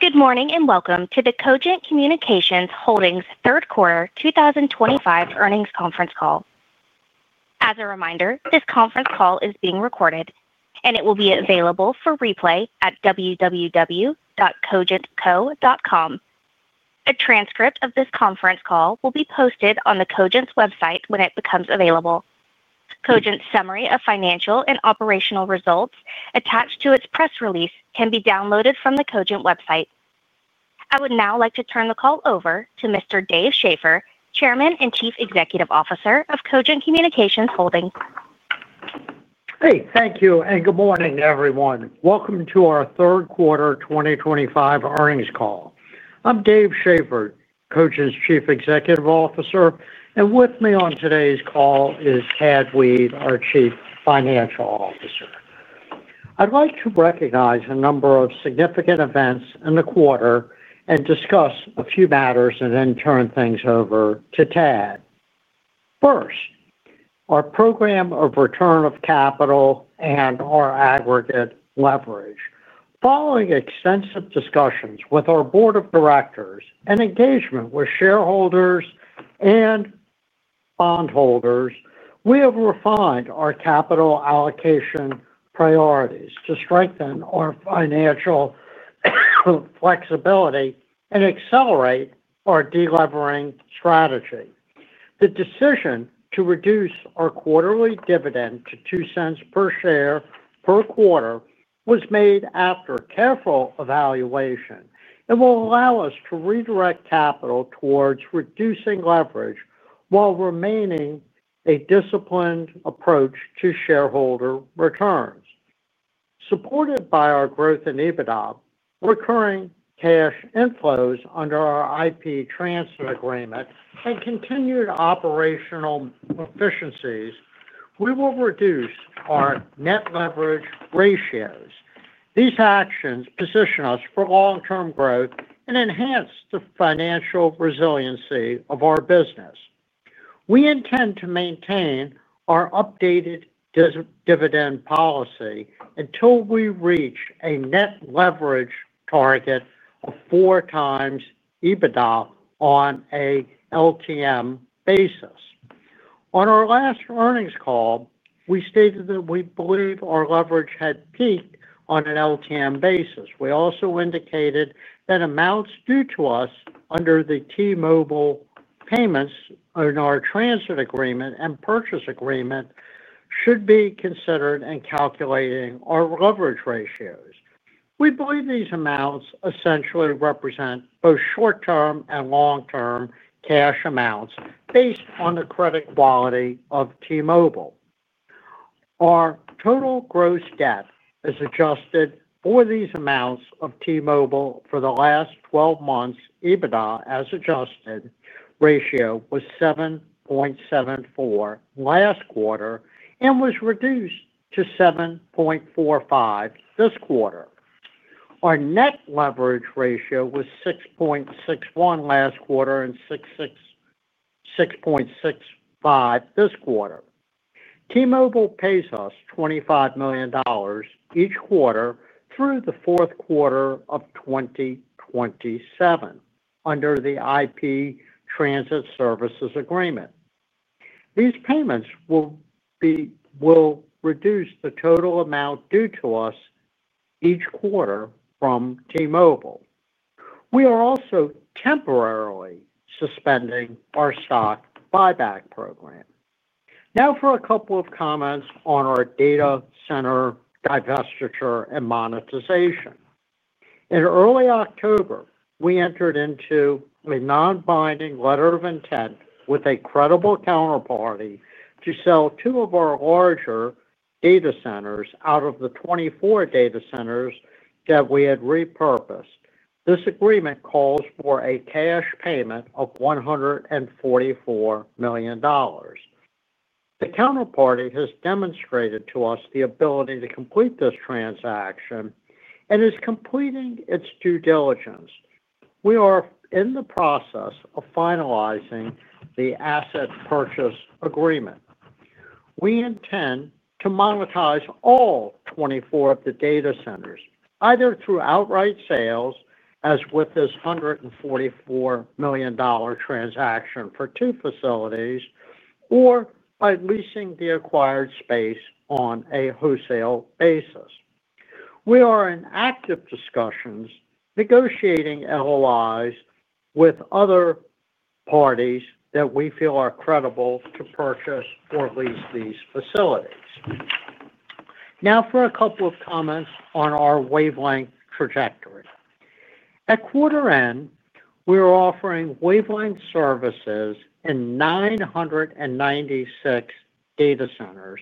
Good morning and welcome to the Cogent Communications Holdings third quarter 2025 earnings conference call. As a reminder, this conference call is being recorded, and it will be available for replay at www.cogentco.com. A transcript of this conference call will be posted on Cogent's website when it becomes available. Cogent's summary of financial and operational results attached to its press release can be downloaded from the Cogent website. I would now like to turn the call over to Mr. Dave Schaeffer, Chairman and Chief Executive Officer of Cogent Communications Holdings. Hey, thank you and good morning, everyone. Welcome to our third quarter 2025 earnings call. I'm Dave Schaeffer, Cogent's Chief Executive Officer, and with me on today's call is Tad Weed, our Chief Financial Officer. I'd like to recognize a number of significant events in the quarter and discuss a few matters, and then turn things over to Tad. First, our program of return of capital and our aggregate leverage. Following extensive discussions with our board of directors and engagement with shareholders and bondholders, we have refined our capital allocation priorities to strengthen our financial flexibility and accelerate our delevering strategy. The decision to reduce our quarterly dividend to $0.02 per share per quarter was made after careful evaluation and will allow us to redirect capital towards reducing leverage while remaining a disciplined approach to shareholder returns. Supported by our growth in EBITDA, recurring cash inflows under our IP Transit Agreement, and continued operational efficiencies, we will reduce our net leverage ratios. These actions position us for long-term growth and enhance the financial resiliency of our business. We intend to maintain our updated dividend policy until we reach a net leverage target of four times EBITDA on an LTM basis. On our last earnings call, we stated that we believe our leverage had peaked on an LTM basis. We also indicated that amounts due to us under the T-Mobile Payments in our Transit Agreement and Purchase Agreement should be considered in calculating our leverage ratios. We believe these amounts essentially represent both short-term and long-term cash amounts based on the credit quality of T-Mobile. Our total gross debt as adjusted for these amounts of T-Mobile for the last 12 months' EBITDA as adjusted ratio was 7.74 last quarter and was reduced to 7.45 this quarter. Our net leverage ratio was 6.61 last quarter and 6.65 this quarter. T-Mobile pays us $25 million each quarter through the fourth quarter of 2027 under the IP Transit Services Agreement. These payments will reduce the total amount due to us each quarter from T-Mobile. We are also temporarily suspending our stock buyback program. Now for a couple of comments on our data center divestiture and monetization. In early October, we entered into a non-binding letter of intent with a credible counterparty to sell two of our larger data centers out of the 24 data centers that we had repurposed. This agreement calls for a cash payment of $144 million. The counterparty has demonstrated to us the ability to complete this transaction and is completing its due diligence. We are in the process of finalizing the asset purchase agreement. We intend to monetize all 24 of the data centers, either through outright sales as with this $144 million transaction for two facilities or by leasing the acquired space on a wholesale basis. We are in active discussions negotiating LOIs with other parties that we feel are credible to purchase or lease these facilities. Now for a couple of comments on our wavelength trajectory. At quarter end, we are offering wavelength services in 996 Data Centers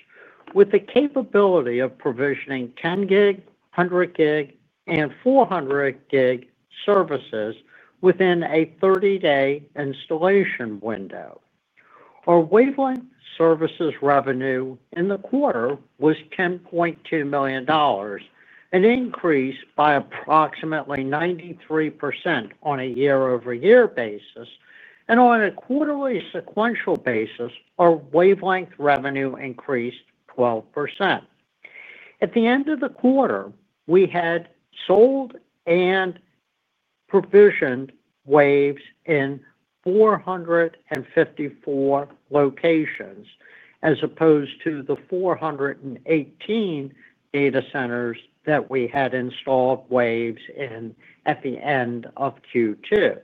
with the capability of provisioning 10 Gb, 100 Gb, and 400 Gb services within a 30-day installation window. Our wavelength services revenue in the quarter was $10.2 million. An increase by approximately 93% on a year-over-year basis, and on a quarterly sequential basis, our wavelength revenue increased 12%. At the end of the quarter, we had sold and provisioned Waves in 454 locations as opposed to the 418 data centers that we had installed Waves in at the end of Q2.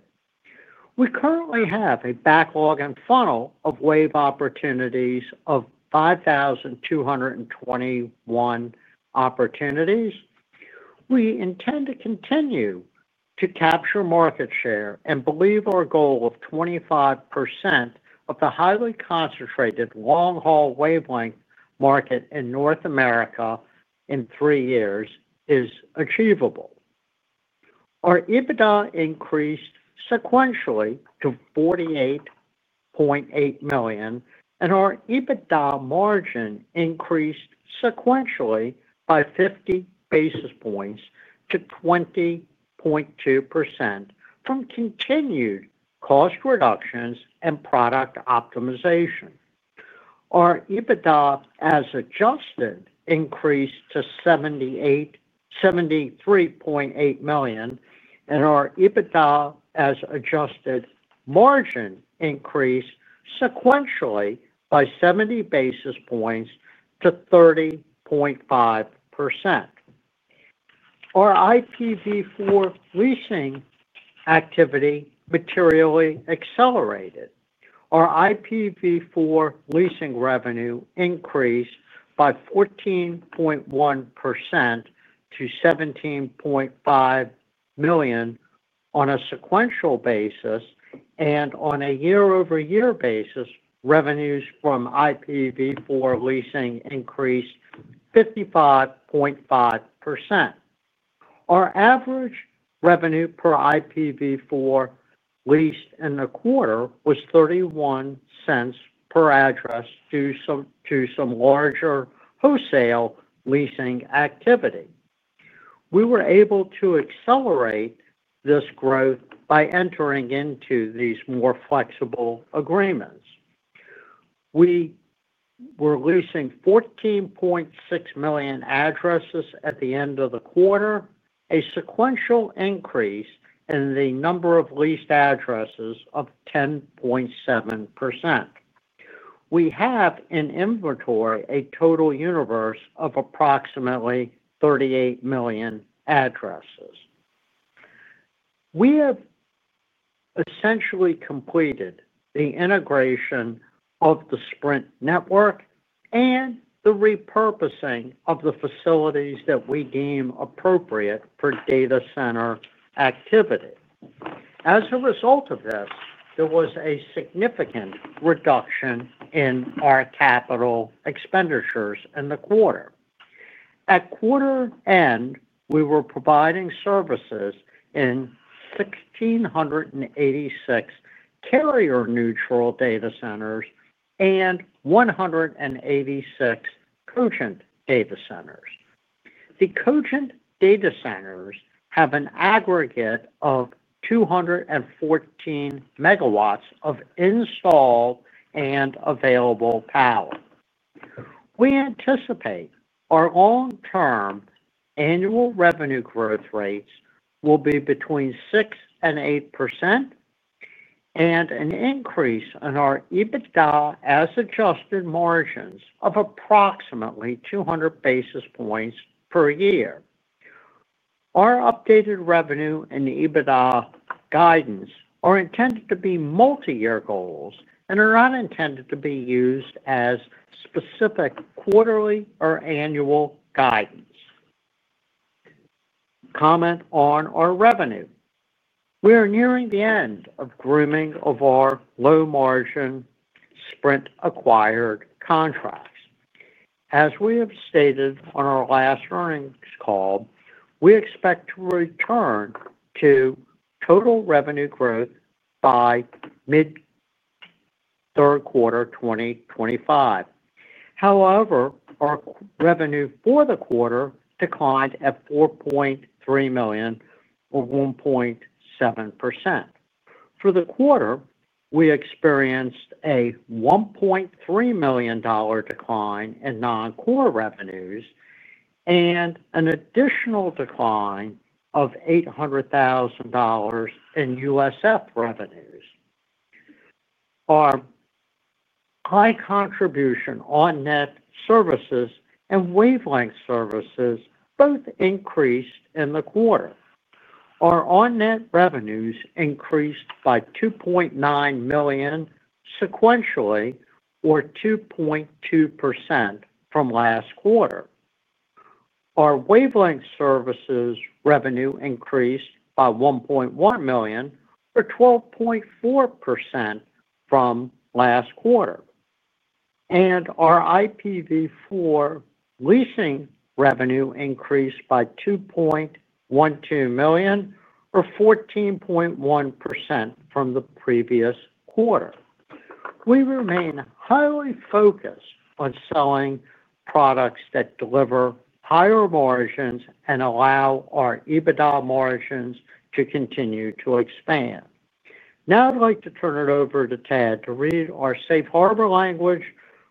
We currently have a backlog and funnel of Wave opportunities of 5,221 opportunities. We intend to continue to capture market share and believe our goal of 25% of the highly concentrated long-haul wavelength market in North America in three years is achievable. Our EBITDA increased sequentially to $48.8 million, and our EBITDA margin increased sequentially by 50 basis points to 20.2% from continued cost reductions and product optimization. Our EBITDA as adjusted increased to $73.8 million, and our EBITDA as adjusted margin increased sequentially by 70 basis points to 30.5%. Our IPv4 leasing activity materially accelerated. Our IPv4 leasing revenue increased by 14.1% to $17.5 million on a sequential basis, and on a year-over-year basis, revenues from IPv4 leasing increased 55.5%. Our average revenue per IPv4 leased in the quarter was $0.31 per address due to some larger wholesale leasing activity. We were able to accelerate this growth by entering into these more flexible agreements. We were leasing 14.6 million addresses at the end of the quarter, a sequential increase in the number of leased addresses of 10.7%. We have in inventory a total universe of approximately 38 million addresses. We have essentially completed the integration of the Sprint network and the repurposing of the facilities that we deem appropriate for data center activity. As a result of this, there was a significant reduction in our capital expenditures in the quarter. At quarter end, we were providing services in 1,686 Carrier-Neutral Data Centers and 186 Cogent Data Centers. The Cogent Data Centers have an aggregate of 214 MW of installed and available power. We anticipate our long-term annual revenue growth rates will be between 6-8%. An increase in our EBITDA as adjusted margins of approximately 200 basis points per year is expected. Our updated revenue and EBITDA guidance are intended to be multi-year goals and are not intended to be used as specific quarterly or annual guidance. Comment on our revenue. We are nearing the end of grooming of our low-margin Sprint-acquired contracts. As we have stated on our last earnings call, we expect to return to total revenue growth by mid third quarter 2025. However, our revenue for the quarter declined at $4.3 million, or 1.7%. For the quarter, we experienced a $1.3 million decline in non-core revenues. An additional decline of $800,000 in USF revenues. Our high contribution on-net services and wavelength services both increased in the quarter. Our on-net revenues increased by $2.9 million sequentially, or 2.2% from last quarter. Our wavelength services revenue increased by $1.1 million or 12.4% from last quarter. Our IPv4 leasing revenue increased by $2.12 million or 14.1% from the previous quarter. We remain highly focused on selling products that deliver higher margins and allow our EBITDA margins to continue to expand. Now I'd like to turn it over to Tad to read our safe harbor language,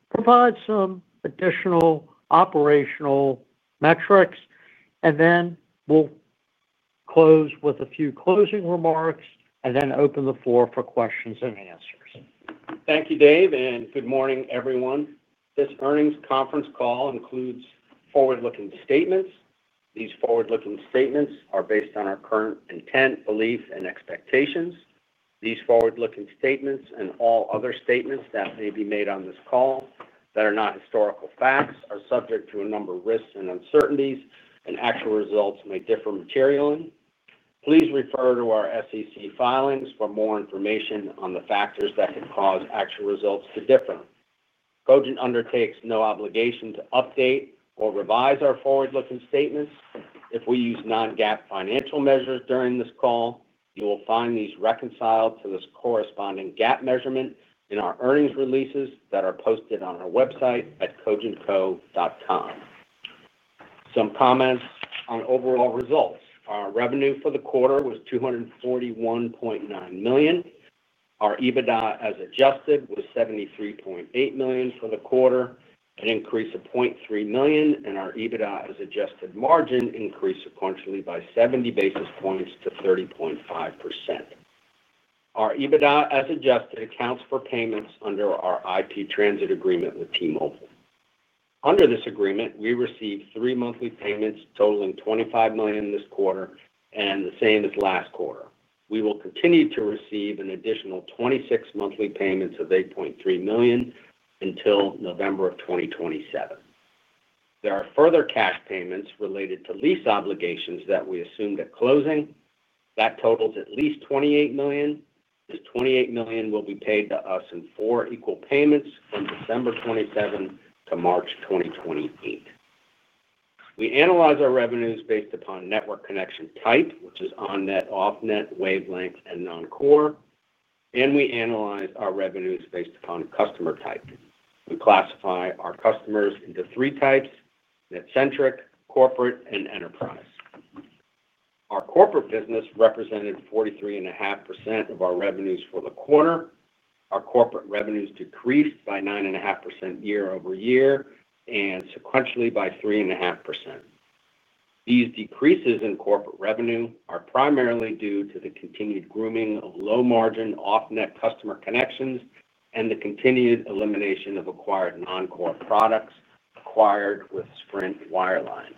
provide some additional operational metrics, and then we'll close with a few closing remarks and then open the floor for questions and answers. Thank you, Dave, and good morning, everyone. This earnings conference call includes forward-looking statements. These forward-looking statements are based on our current intent, belief, and expectations. These forward-looking statements and all other statements that may be made on this call that are not historical facts are subject to a number of risks and uncertainties, and actual results may differ materially. Please refer to our SEC filings for more information on the factors that could cause actual results to differ. Cogent undertakes no obligation to update or revise our forward-looking statements. If we use non-GAAP financial measures during this call, you will find these reconciled to the corresponding GAAP measurement in our earnings releases that are posted on our website at cogentco.com. Some comments on overall results. Our revenue for the quarter was $241.9 million. Our EBITDA as adjusted was $73.8 million for the quarter, an increase of $0.3 million, and our EBITDA as adjusted margin increased sequentially by 70 basis points to 30.5%. Our EBITDA as adjusted accounts for payments under our IP Transit Agreement with T-Mobile. Under this agreement, we received three monthly payments totaling $25 million this quarter and the same as last quarter. We will continue to receive an additional 26 monthly payments of $8.3 million until November of 2027. There are further cash payments related to lease obligations that we assumed at closing. That totals at least $28 million. This $28 million will be paid to us in four equal payments from December 2027 to March 2028. We analyze our revenues based upon network connection type, which is on-net, off-net, wavelength, and non-core. We analyze our revenues based upon customer type. We classify our customers into three types: net-centric, corporate, and enterprise. Our corporate business represented 43.5% of our revenues for the quarter. Our corporate revenues decreased by 9.5% year-over-year and sequentially by 3.5%. These decreases in corporate revenue are primarily due to the continued grooming of low-margin, off-net customer connections and the continued elimination of acquired non-core products acquired with Sprint Wireline.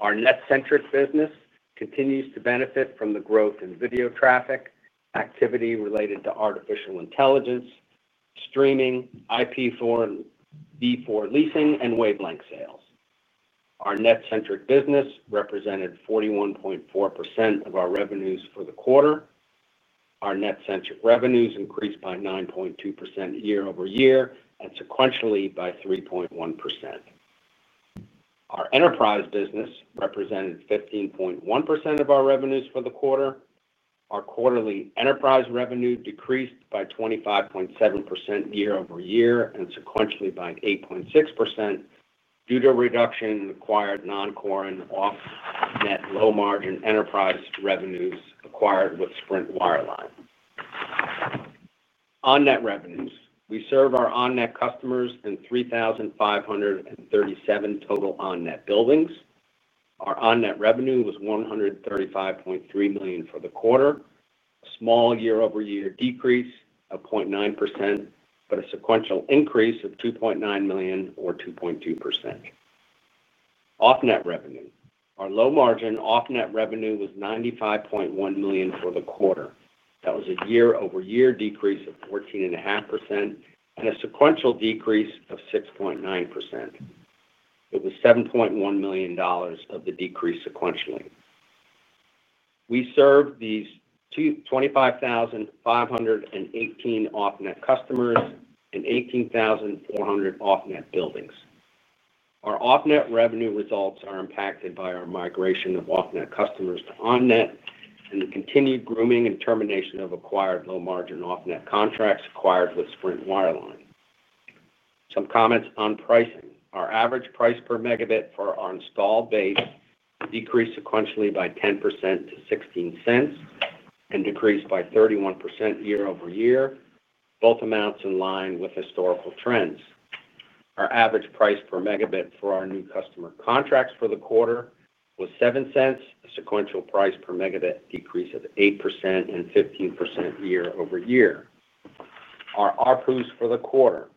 Our net-centric business continues to benefit from the growth in video traffic activity related to artificial intelligence, streaming, IPv4 leasing, and wavelength sales. Our net-centric business represented 41.4% of our revenues for the quarter. Our net-centric revenues increased by 9.2% year-over-year and sequentially by 3.1%. Our enterprise business represented 15.1% of our revenues for the quarter. Our quarterly enterprise revenue decreased by 25.7% year-over-year and sequentially by 8.6% due to reduction in acquired non-core and off-net low-margin enterprise revenues acquired with Sprint Wireline. On-net revenues. We serve our on-net customers in 3,537 total on-net buildings. Our on-net revenue was $135.3 million for the quarter, a small year-over-year decrease of 0.9%, but a sequential increase of $2.9 million or 2.2%. Off-net revenue. Our low-margin off-net revenue was $95.1 million for the quarter. That was a year-over-year decrease of 14.5% and a sequential decrease of 6.9%. It was $7.1 million of the decrease sequentially. We serve these 25,518 off-net customers and 18,400 off-net buildings. Our off-net revenue results are impacted by our migration of off-net customers to on-net and the continued grooming and termination of acquired low-margin off-net contracts acquired with Sprint Wireline. Some comments on pricing. Our average price per megabit for our installed base decreased sequentially by 10% to $0.16 and decreased by 31% year-over-year, both amounts in line with historical trends. Our average price per megabit for our new customer contracts for the quarter was $0.07, a sequential price per megabit decrease of 8% and 15% year-over-year. Our RPUs for the quarter.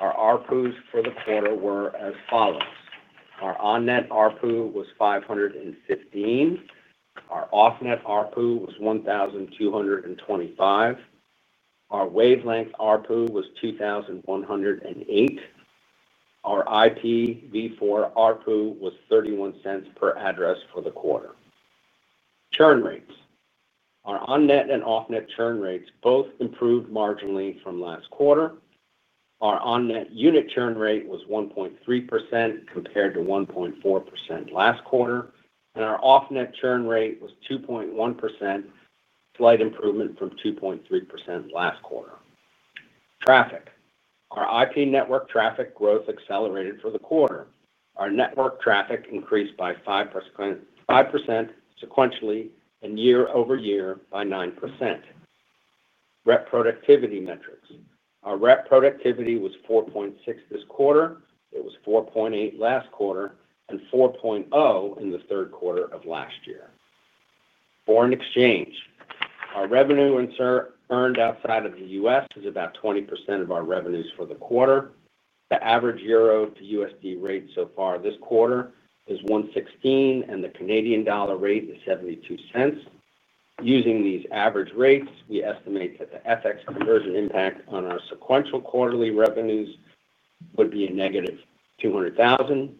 Our RPUs for the quarter were as follows. Our on-net RPU was $515. Our off-net RPU was $1,225. Our wavelength RPU was $2,108. Our IPv4 RPU was $0.31 per address for the quarter. Churn rates. Our on-net and off-net churn rates both improved marginally from last quarter. Our on-net unit churn rate was 1.3% compared to 1.4% last quarter, and our off-net churn rate was 2.1%. Slight improvement from 2.3% last quarter. Traffic. Our IP network traffic growth accelerated for the quarter. Our network traffic increased by 5% sequentially and year-over-year by 9%. Reproductivity metrics. Our reproductivity was 4.6 this quarter. It was 4.8 last quarter and 4.0 in the third quarter of last year. Foreign exchange. Our revenue earned outside of the U.S. is about 20% of our revenues for the quarter. The average euro to USD rate so far this quarter is 1.16, and the Canadian dollar rate is $0.72. Using these average rates, we estimate that the FX conversion impact on our sequential quarterly revenues would be a negative $200,000,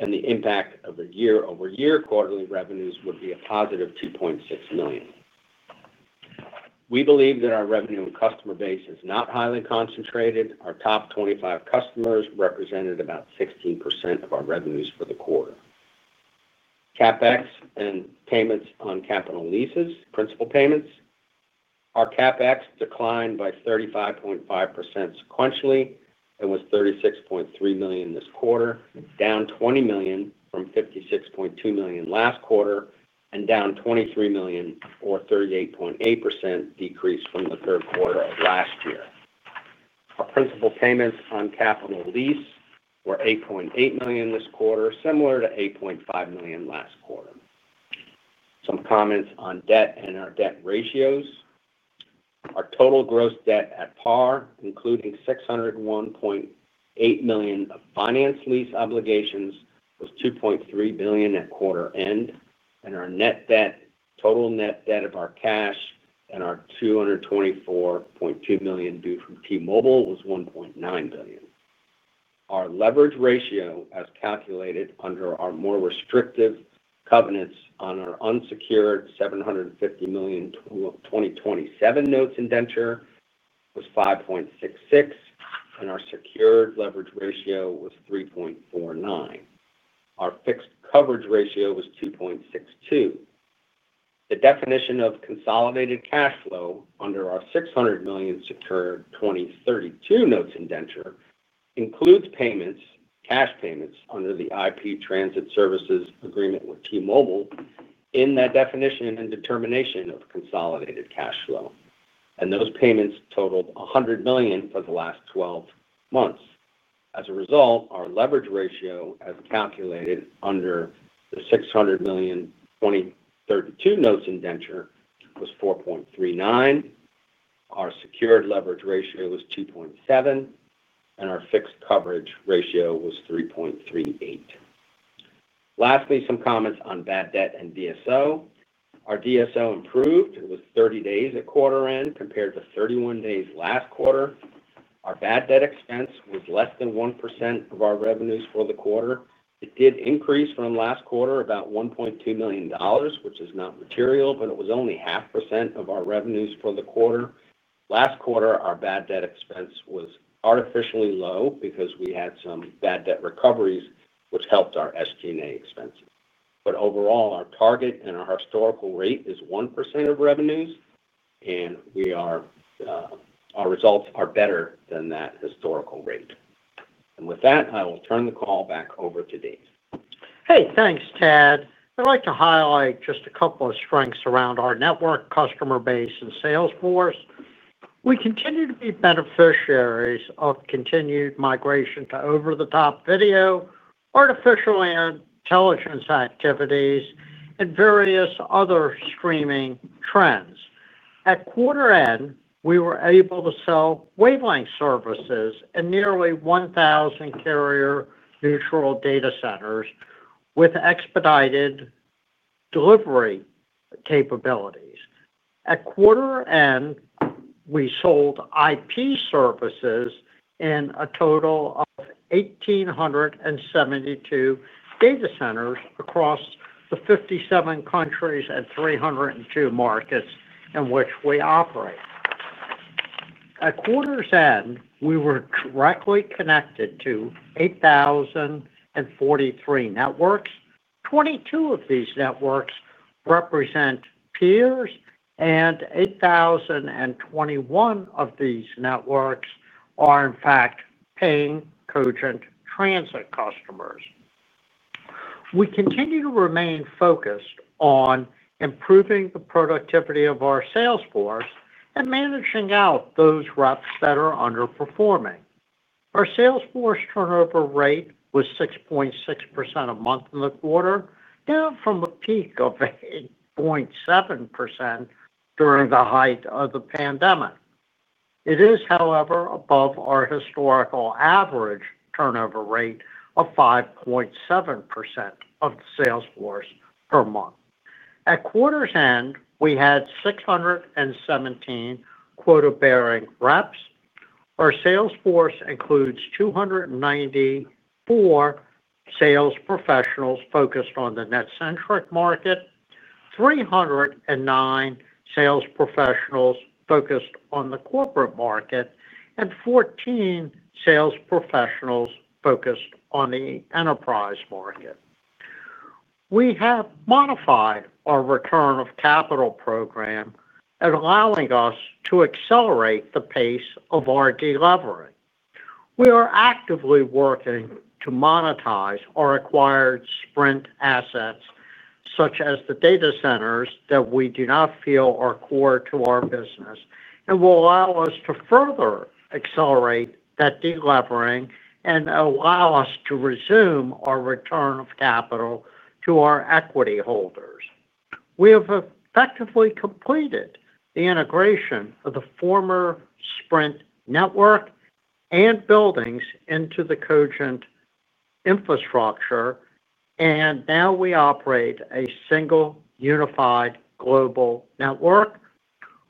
and the impact of the year-over-year quarterly revenues would be a positive $2.6 million. We believe that our revenue and customer base is not highly concentrated. Our top 25 customers represented about 16% of our revenues for the quarter. CapEx and payments on capital leases, principal payments. Our CapEx declined by 35.5% sequentially and was $36.3 million this quarter, down $20 million from $56.2 million last quarter, and down $23 million or 38.8% decrease from the third quarter of last year. Our principal payments on capital lease were $8.8 million this quarter, similar to $8.5 million last quarter. Some comments on debt and our debt ratios. Our total gross debt at par, including $601.8 million of finance lease obligations, was $2.3 billion at quarter end, and our net debt, total net debt of our cash and our $224.2 million due from T-Mobile was $1.9 billion. Our leverage ratio, as calculated under our more restrictive covenants on our unsecured $750 million 2027 notes in venture, was 5.66, and our secured leverage ratio was 3.49. Our fixed coverage ratio was 2.62. The definition of consolidated cash flow under our $600 million secured 2032 notes indenture includes payments, cash payments under the IP Transit Services Agreement with T-Mobile in that definition and determination of consolidated cash flow, and those payments totaled $100 million for the last 12 months. As a result, our leverage ratio, as calculated under the $600 million 2032 notes indenture, was 4.39. Our secured leverage ratio was 2.7. Our fixed coverage ratio was 3.38. Lastly, some comments on bad debt and DSO. Our DSO improved. It was 30 days at quarter end compared to 31 days last quarter. Our bad debt expense was less than 1% of our revenues for the quarter. It did increase from last quarter about $1.2 million, which is not material, but it was only 0.5% of our revenues for the quarter. Last quarter, our bad debt expense was artificially low because we had some bad debt recoveries, which helped our SG&A expenses. Overall, our target and our historical rate is 1% of revenues, and our results are better than that historical rate. With that, I will turn the call back over to Dave. Hey, thanks, Tad. I'd like to highlight just a couple of strengths around our network, customer base, and sales force. We continue to be beneficiaries of continued migration to over-the-top video, artificial intelligence activities, and various other streaming trends. At quarter end, we were able to sell wavelength services in nearly 1,000 Carrier-Neutral Data Centers with expedited delivery capabilities. At quarter end, we sold IP services in a total of 1,872 data centers across the 57 countries and 302 markets in which we operate. At quarter's end, we were directly connected to 8,043 networks. 22 of these networks represent peers, and 8,021 of these networks are, in fact, paying Cogent Transit customers. We continue to remain focused on improving the productivity of our sales force and managing out those reps that are underperforming. Our sales force turnover rate was 6.6% a month in the quarter, down from a peak of 8.7% during the height of the pandemic. It is, however, above our historical average turnover rate of 5.7% of the sales force per month. At quarter's end, we had 617 quota-bearing reps. Our sales force includes 294 sales professionals focused on the net-centric market, 309 sales professionals focused on the corporate market, and 14 sales professionals focused on the enterprise market. We have modified our return of capital program, allowing us to accelerate the pace of our delivery. We are actively working to monetize our acquired Sprint assets, such as the data centers that we do not feel are core to our business, and will allow us to further accelerate that delivery and allow us to resume our return of capital to our equity holders. We have effectively completed the integration of the former Sprint network and buildings into Cogent infrastructure, and now we operate a single unified global network.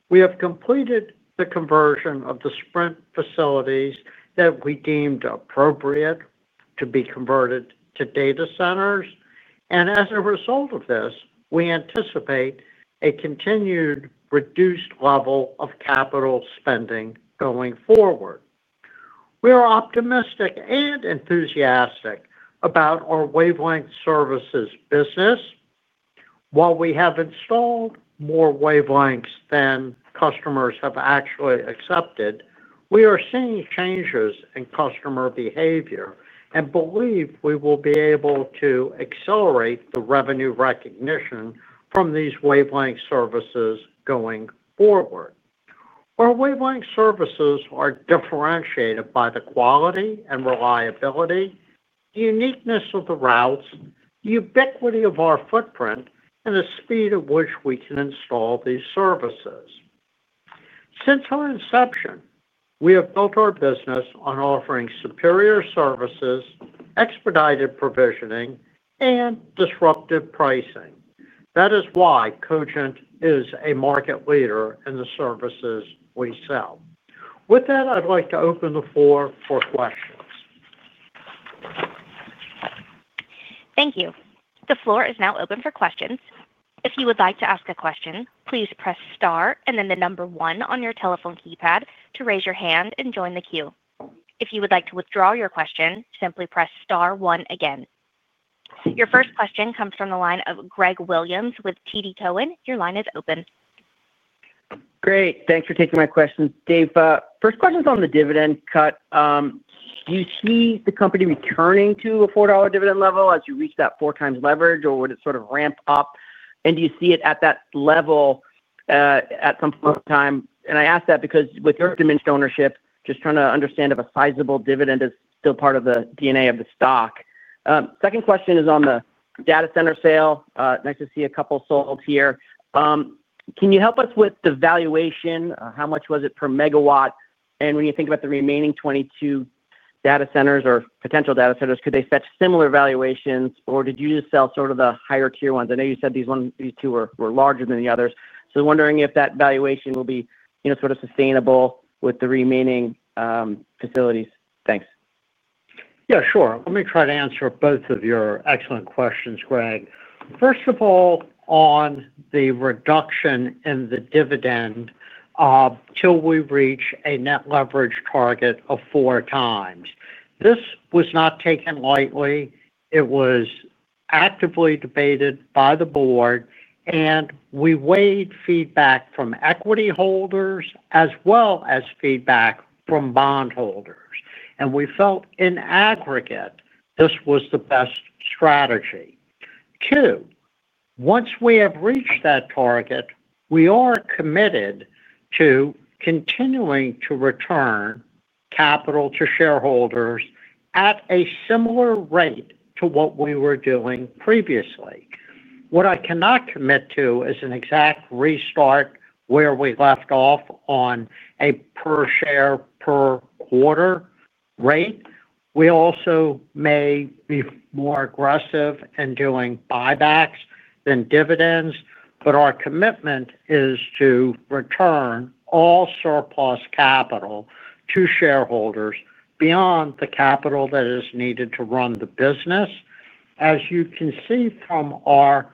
We have completed the conversion of the Sprint facilities that we deemed appropriate to be converted to data centers, and as a result of this, we anticipate a continued reduced level of capital spending going forward. We are optimistic and enthusiastic about our wavelength services business. While we have installed more wavelengths than customers have actually accepted, we are seeing changes in customer behavior and believe we will be able to accelerate the revenue recognition from these wavelength services going forward. Our wavelength services are differentiated by the quality and reliability, the uniqueness of the routes, the ubiquity of our footprint, and the speed at which we can install these services. Since our inception, we have built our business on offering superior services, expedited provisioning, and disruptive pricing. That is why Cogent is a market leader in the services we sell. With that, I'd like to open the floor for questions. Thank you. The floor is now open for questions. If you would like to ask a question, please press star and then the number one on your telephone keypad to raise your hand and join the queue. If you would like to withdraw your question, simply press star one again. Your first question comes from the line of Greg Williams with TD Cowen. Your line is open. Great. Thanks for taking my questions, Dave. First question is on the dividend cut. Do you see the company returning to a $4 dividend level as you reach that four times leverage, or would it sort of ramp up? Do you see it at that level at some point in time? I ask that because with your diminished ownership, just trying to understand if a sizable dividend is still part of the DNA of the stock. Second question is on the data center sale. Nice to see a couple sold here. Can you help us with the valuation? How much was it per MW? When you think about the remaining 22 data centers or potential data centers, could they fetch similar valuations, or did you just sell sort of the higher tier ones? I know you said these two were larger than the others. Wondering if that valuation will be sort of sustainable with the remaining facilities. Thanks. Yeah, sure. Let me try to answer both of your excellent questions, Greg. First of all, on the reduction in the dividend. Until we reach a net leverage target of four times, this was not taken lightly. It was actively debated by the board, and we weighed feedback from equity holders as well as feedback from bondholders. We felt in aggregate this was the best strategy. Once we have reached that target, we are committed to continuing to return capital to shareholders at a similar rate to what we were doing previously. What I cannot commit to is an exact restart where we left off on a per share, per quarter rate. We also may be more aggressive in doing buybacks than dividends, but our commitment is to return all surplus capital to shareholders beyond the capital that is needed to run the business. As you can see from our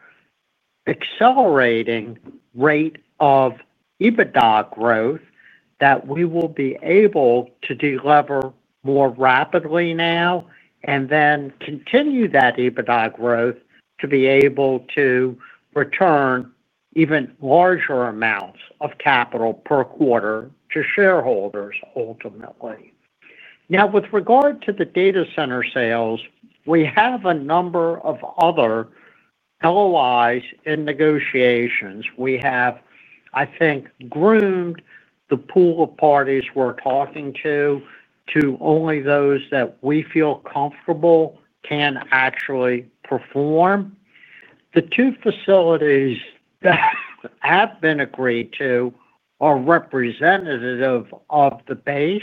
accelerating rate of EBITDA growth, we will be able to deliver more rapidly now and then continue that EBITDA growth to be able to return even larger amounts of capital per quarter to shareholders ultimately. Now, with regard to the data center sales, we have a number of other LOIs in negotiations. We have, I think, groomed the pool of parties we are talking to to only those that we feel comfortable can actually perform. The two facilities that have been agreed to are representative of the base.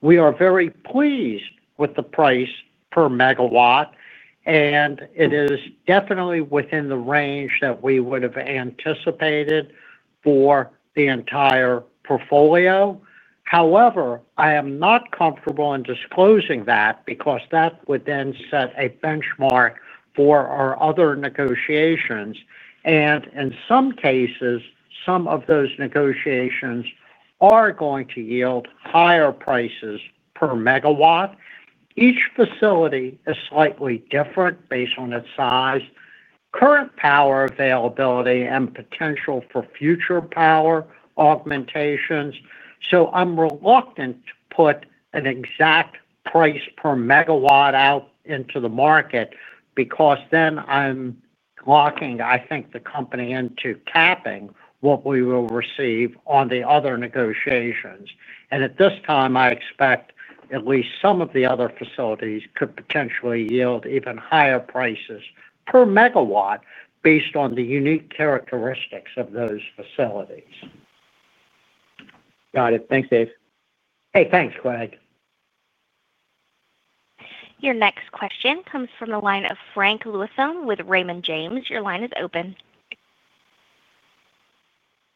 We are very pleased with the price per MW, and it is definitely within the range that we would have anticipated for the entire portfolio. However, I am not comfortable in disclosing that because that would then set a benchmark for our other negotiations, and in some cases, some of those negotiations are going to yield higher prices per MW. Each facility is slightly different based on its size, current power availability, and potential for future power augmentations. I am reluctant to put an exact price per MW out into the market because then I am locking, I think, the company into capping what we will receive on the other negotiations. At this time, I expect at least some of the other facilities could potentially yield even higher prices per MW based on the unique characteristics of those facilities. Got it. Thanks, Dave. Hey, thanks, Greg. Your next question comes from the line of Frank Louthan with Raymond James. Your line is open.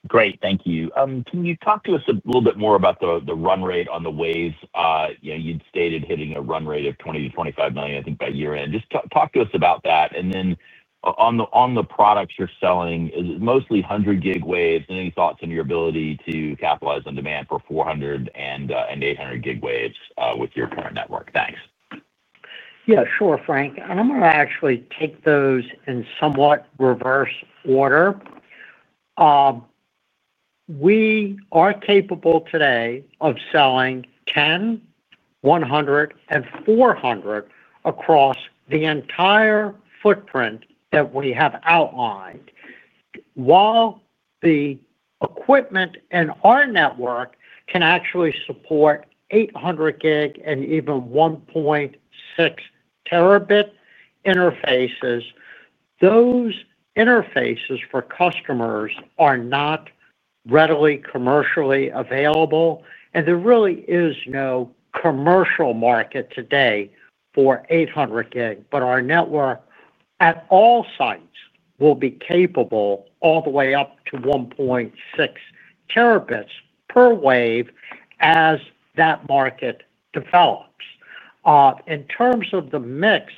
Great. Thank you. Can you talk to us a little bit more about the run rate on the waves? You'd stated hitting a run rate of $20 million-$25 million, I think, by year-end. Just talk to us about that. And then on the products you're selling, is it mostly 100 Gb waves? Any thoughts on your ability to capitalize on demand for 400 and 800 Gb waves with your current network? Thanks. Yeah, sure, Frank. I'm going to actually take those in somewhat reverse order. We are capable today of selling 10, 100, and 400 across the entire footprint that we have outlined. While the equipment in our network can actually support 800 Gb and even 1.6 Tb interfaces. Those interfaces for customers are not. Readily commercially available, and there really is no commercial market today for 800 Gb. Our network at all sites will be capable all the way up to 1.6 Tb per wave as that market develops. In terms of the mix,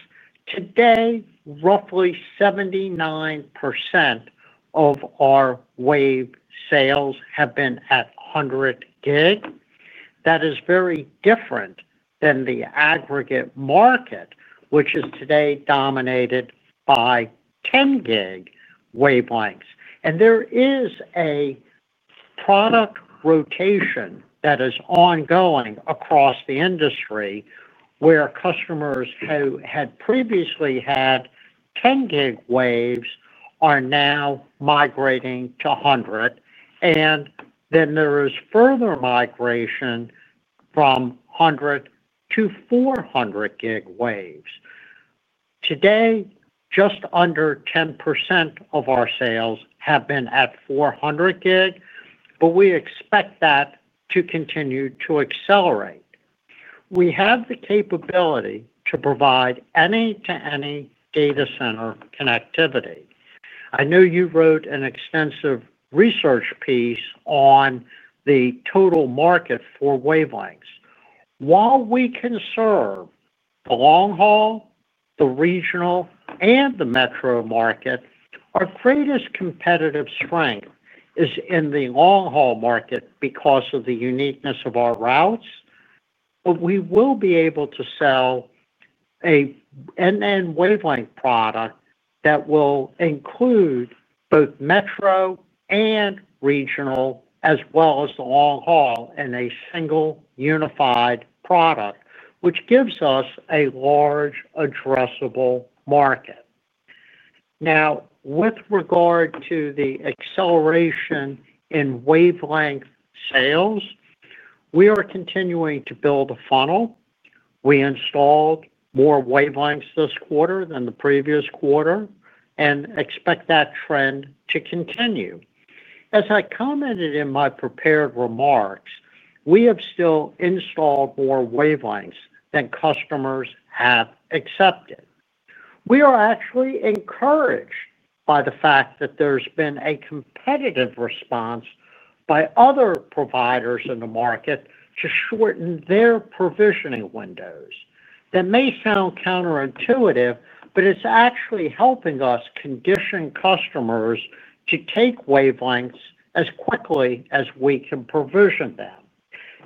today, roughly 79% of our wave sales have been at 100 Gb. That is very different than the aggregate market, which is today dominated by 10 Gb wavelengths. There is a product rotation that is ongoing across the industry where customers who had previously had 10 Gb waves are now migrating to 100. There is further migration from 100 to 400 Gb waves. Today, just under 10% of our sales have been at 400 Gb, but we expect that to continue to accelerate. We have the capability to provide any-to-any data center connectivity. I know you wrote an extensive research piece on the total market for wavelengths. While we can serve the long haul, the regional, and the metro market, our greatest competitive strength is in the long haul market because of the uniqueness of our routes. We will be able to sell an end-to-end wavelength product that will include both metro and regional, as well as the long haul in a single unified product, which gives us a large addressable market. Now, with regard to the acceleration in wavelength sales, we are continuing to build a funnel. We installed more wavelengths this quarter than the previous quarter and expect that trend to continue. As I commented in my prepared remarks, we have still installed more wavelengths than customers have accepted. We are actually encouraged by the fact that there's been a competitive response by other providers in the market to shorten their provisioning windows. That may sound counterintuitive, but it's actually helping us condition customers to take wavelengths as quickly as we can provision them.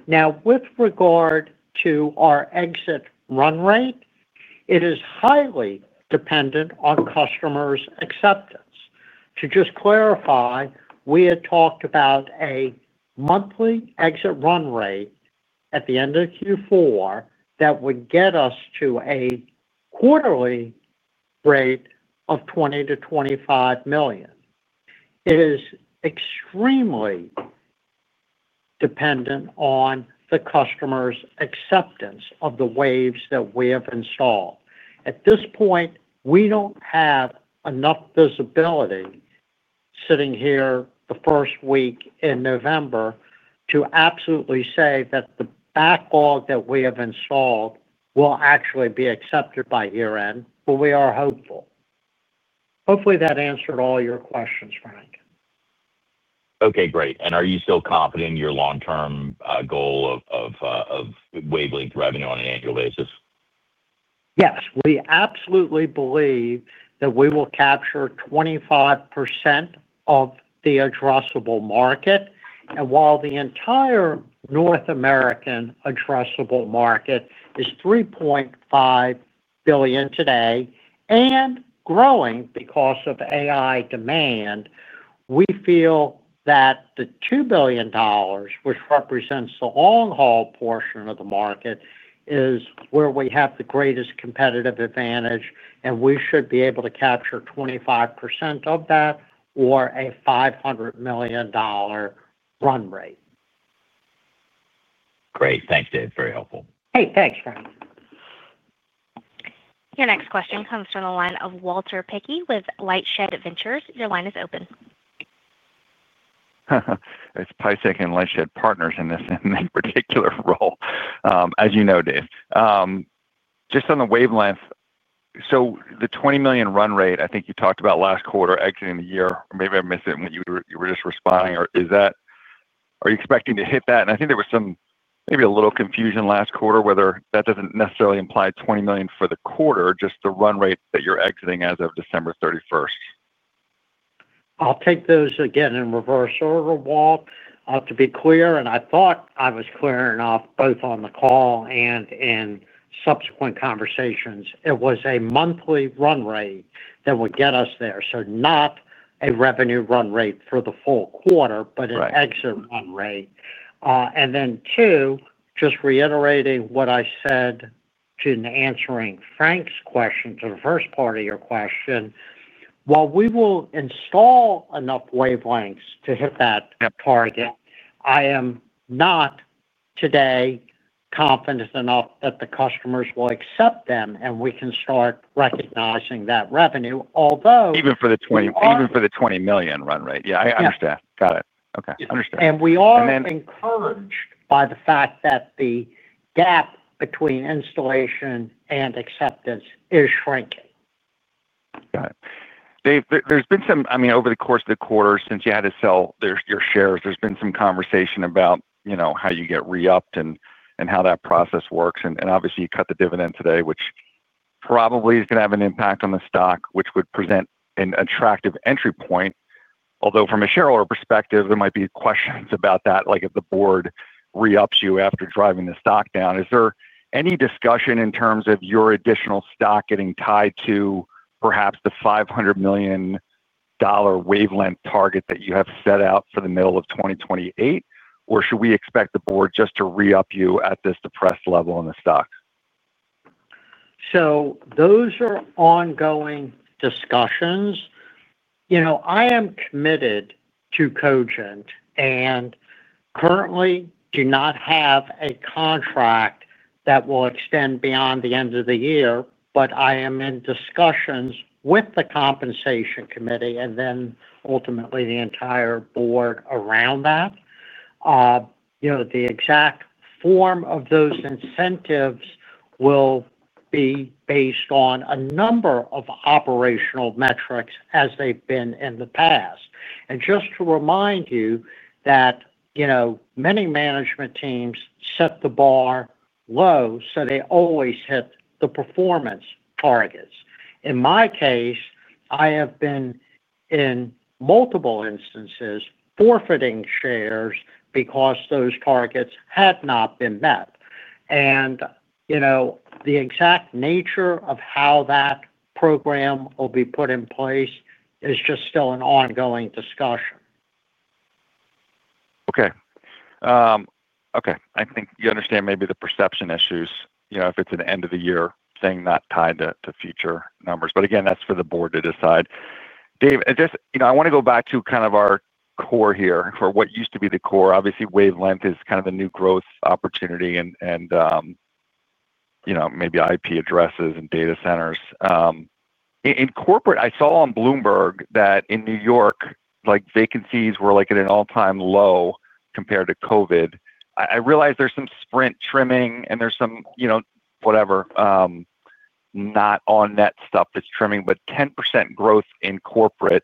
Now, with regard to our exit run rate, it is highly dependent on customers' acceptance. To just clarify, we had talked about a monthly exit run rate at the end of Q4 that would get us to a quarterly rate of $20 million-$25 million. It is extremely dependent on the customer's acceptance of the waves that we have installed. At this point, we don't have enough visibility sitting here the first week in November to absolutely say that the backlog that we have installed will actually be accepted by year-end, but we are hopeful. Hopefully, that answered all your questions, Frank. Okay, great. Are you still confident in your long-term goal of wavelength revenue on an annual basis? Yes. We absolutely believe that we will capture 25% of the addressable market. While the entire North American addressable market is $3.5 billion today and growing because of AI demand, we feel that the $2 billion, which represents the long haul portion of the market, is where we have the greatest competitive advantage, and we should be able to capture 25% of that or a $500 million run rate. Great. Thanks, Dave. Very helpful. Hey, thanks, Frank. Your next question comes from the line of Walter Piecyk with LightShed Ventures. Your line is open. It's Piecyk and LightShed Partners in this particular role, as you know, Dave. Just on the wavelength, so the $20 million run rate, I think you talked about last quarter exiting the year, or maybe I missed it when you were just responding. Are you expecting to hit that? I think there was some maybe a little confusion last quarter whether that does not necessarily imply $20 million for the quarter, just the run rate that you are exiting as of December 31st. I will take those again in reverse order, Walt, to be clear. I thought I was clearing off both on the call and in subsequent conversations. It was a monthly run rate that would get us there, so not a revenue run rate for the full quarter, but an exit run rate. Two, just reiterating what I said in answering Frank's question to the first part of your question, while we will install enough wavelengths to hit that target, I am not today confident enough that the customers will accept them, and we can start recognizing that revenue, although. Even for the $20 million run rate. Yeah, I understand. Got it. Okay. Understood. We are encouraged by the fact that the gap between installation and acceptance is shrinking. Got it. Dave, there's been some, I mean, over the course of the quarter since you had to sell your shares, there's been some conversation about how you get re-upped and how that process works. Obviously, you cut the dividend today, which probably is going to have an impact on the stock, which would present an attractive entry point. Although from a shareholder perspective, there might be questions about that, like if the board re-ups you after driving the stock down. Is there any discussion in terms of your additional stock getting tied to perhaps the $500 million wavelength target that you have set out for the middle of 2028, or should we expect the board just to re-up you at this depressed level in the stock? Those are ongoing discussions. I am committed to Cogent and currently do not have a contract that will extend beyond the end of the year, but I am in discussions with the compensation committee and then ultimately the entire board around that. The exact form of those incentives will be based on a number of operational metrics as they've been in the past. Just to remind you that. Many management teams set the bar low so they always hit the performance targets. In my case, I have been in multiple instances forfeiting shares because those targets had not been met. The exact nature of how that program will be put in place is just still an ongoing discussion. Okay. Okay. I think you understand maybe the perception issues if it is at the end of the year, saying not tied to future numbers. That is for the board to decide. Dave, I want to go back to kind of our core here for what used to be the core. Obviously, wavelength is kind of the new growth opportunity and maybe IP Addresses and Data Centers. In corporate, I saw on Bloomberg that in New York, vacancies were at an all-time low compared to COVID. I realize there is some sprint trimming and there is some whatever. Not on-net stuff that's trimming, but 10% growth in corporate.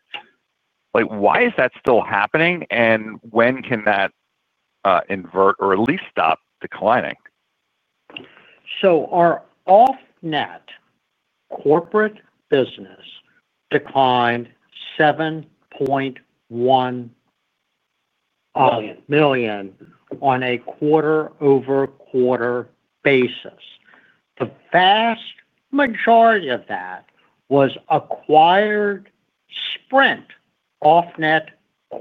Why is that still happening? And when can that invert or at least stop declining? Our off-net corporate business declined $7.1 million on a quarter-over-quarter basis. The vast majority of that was acquired Sprint off-net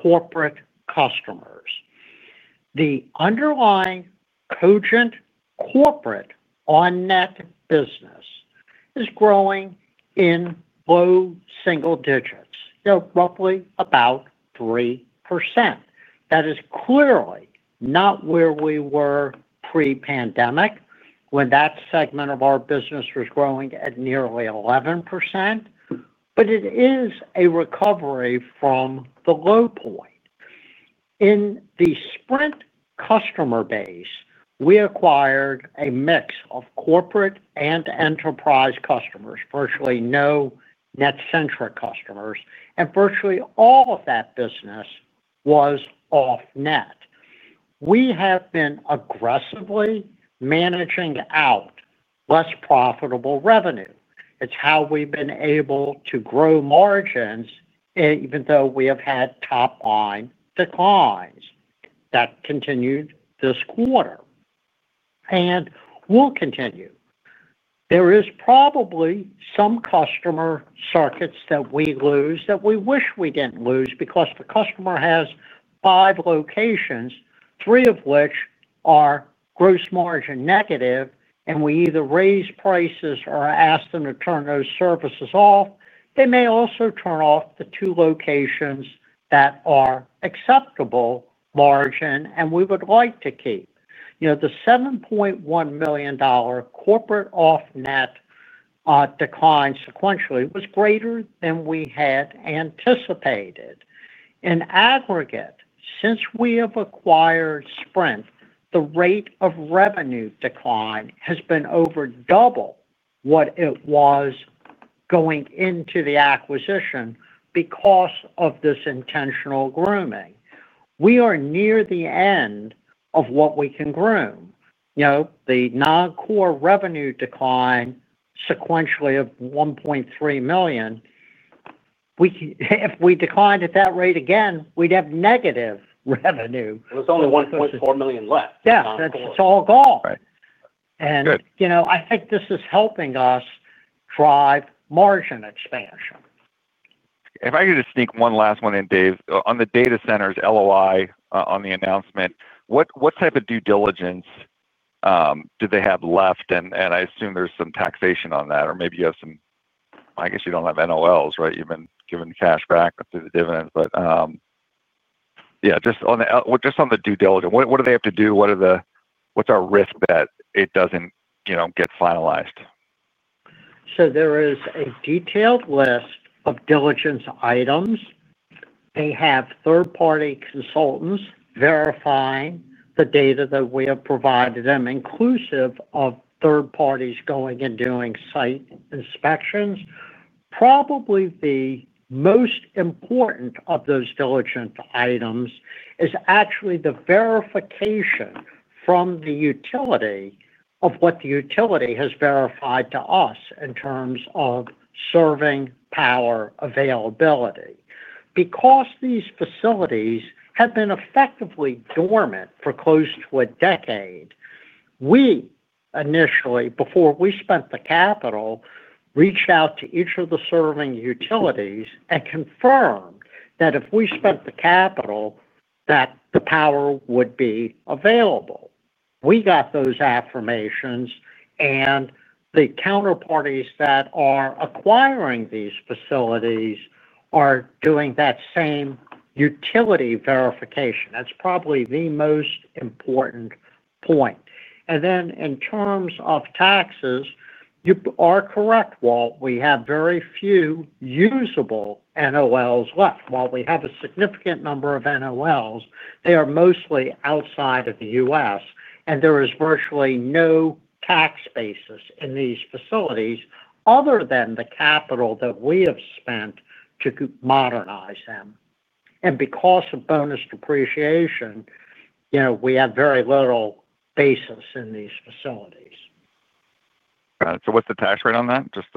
corporate customers. The underlying Cogent corporate on-net business is growing in low single digits, roughly about 3%. That is clearly not where we were pre-pandemic when that segment of our business was growing at nearly 11%. It is a recovery from the low point. In the Sprint customer base, we acquired a mix of corporate and enterprise customers, virtually no net-centric customers, and virtually all of that business was off-net. We have been aggressively managing out less profitable revenue. It is how we've been able to grow margins, even though we have had top-line declines that continued this quarter and will continue. There is probably some customer circuits that we lose that we wish we didn't lose because the customer has five locations, three of which are gross margin negative, and we either raise prices or ask them to turn those services off. They may also turn off the two locations that are acceptable margin, and we would like to keep. The $7.1 million corporate off-net decline sequentially was greater than we had anticipated. In aggregate, since we have acquired Sprint, the rate of revenue decline has been over double what it was going into the acquisition because of this intentional grooming. We are near the end of what we can groom. The non-core revenue decline sequentially of $1.3 million. If we declined at that rate again, we'd have negative revenue. It was only $1.4 million left. Yeah. That's all gone. I think this is helping us drive margin expansion. If I could just sneak one last one in, Dave, on the data center's LOI on the announcement, what type of due diligence do they have left? I assume there's some taxation on that, or maybe you have some—I guess you don't have NOLs, right? You've been given cash back through the dividends. Yeah, just on the due diligence, what do they have to do? What's our risk that it doesn't get finalized? There is a detailed list of diligence items. They have third-party consultants verifying the data that we have provided them, inclusive of third parties going and doing site inspections. Probably the most important of those diligence items is actually the verification from the utility of what the utility has verified to us in terms of serving power availability. These facilities have been effectively dormant for close to a decade. We initially, before we spent the capital, reached out to each of the serving utilities and confirmed that if we spent the capital, that the power would be available. We got those affirmations, and the counterparties that are acquiring these facilities are doing that same utility verification. That's probably the most important point. In terms of taxes, you are correct, Walt. We have very few usable NOLs left. While we have a significant number of NOLs, they are mostly outside of the U.S., and there is virtually no tax basis in these facilities other than the capital that we have spent to modernize them. Because of bonus depreciation, we have very little basis in these facilities. Got it. What's the tax rate on that? Just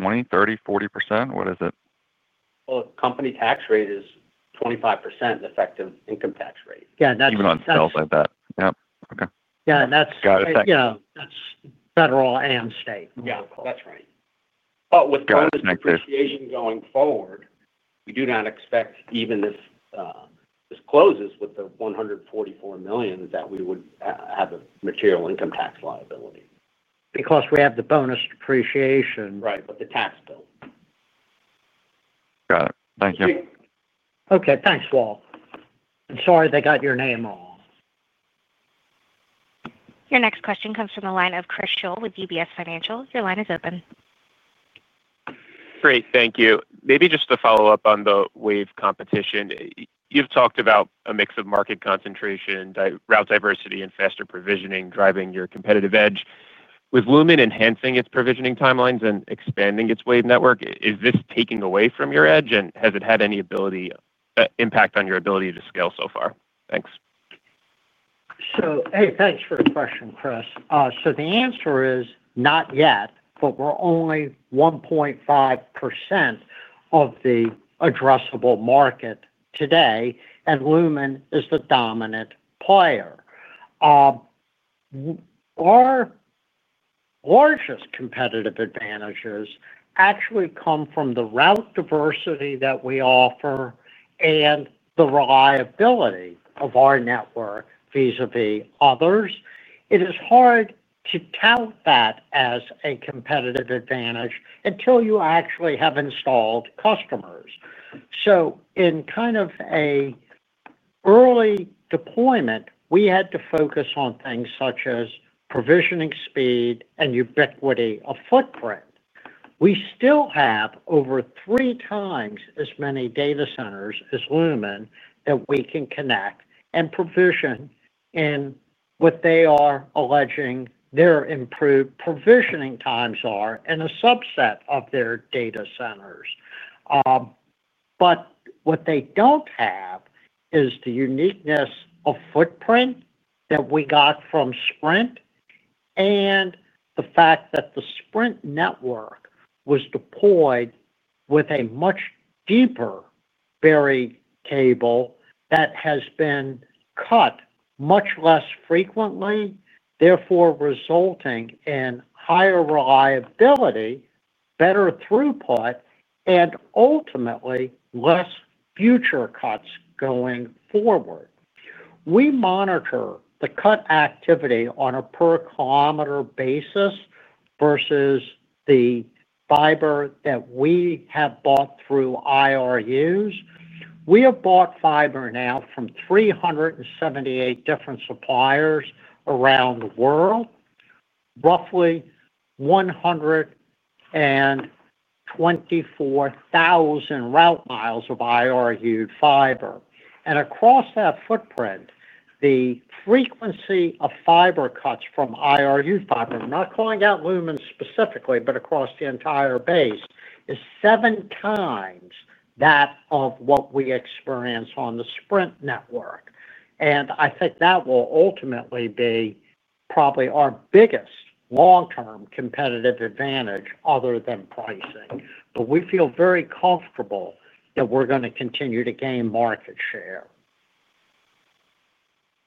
20%, 30%, 40%? What is it? The company tax rate is 25% effective income tax rate. Yeah, that's, Even on sales like that. Yep. Okay. Yeah. That's, yeah. That's federal and state, we'll call it. Yeah. That's right. But with bonus depreciation going forward, we do not expect, even if this closes with the $144 million, that we would have a material income tax liability. Because we have the bonus depreciation. Right. But the tax bill. Got it. Thank you. Okay. Thanks, Walt. I'm sorry they got your name wrong. Your next question comes from the line of Criswell with UBS Financial. Your line is open. Great. Thank you. Maybe just to follow up on the wave competition, you've talked about a mix of market concentration, route diversity, and faster provisioning driving your competitive edge. With Lumen enhancing its provisioning timelines and expanding its wave network, is this taking away from your edge, and has it had any impact on your ability to scale so far? Thanks. Hey, thanks for the question, Chris. The answer is not yet, but we're only 1.5% of the addressable market today, and Lumen is the dominant player. Our largest competitive advantages actually come from the route diversity that we offer and the reliability of our network vis-à-vis others. It is hard to tout that as a competitive advantage until you actually have installed customers. In kind of an early deployment, we had to focus on things such as provisioning speed and ubiquity of footprint. We still have over three times as many Data Centers as Lumen that we can connect and provision in what they are alleging their improved provisioning times are in a subset of their data centers. What they do not have is the uniqueness of footprint that we got from Sprint. The fact that the Sprint network was deployed with a much deeper buried cable that has been cut much less frequently, therefore resulting in higher reliability, better throughput, and ultimately less future cuts going forward. We monitor the cut activity on a per-kilometer basis versus the fiber that we have bought through IRUs. We have bought fiber now from 378 different suppliers around the world. Roughly 124,000 route miles of IRU fiber. Across that footprint, the frequency of fiber cuts from IRU fiber, not calling out Lumen specifically, but across the entire base, is seven times that of what we experience on the Sprint network. I think that will ultimately be probably our biggest long-term competitive advantage other than pricing. We feel very comfortable that we're going to continue to gain market share.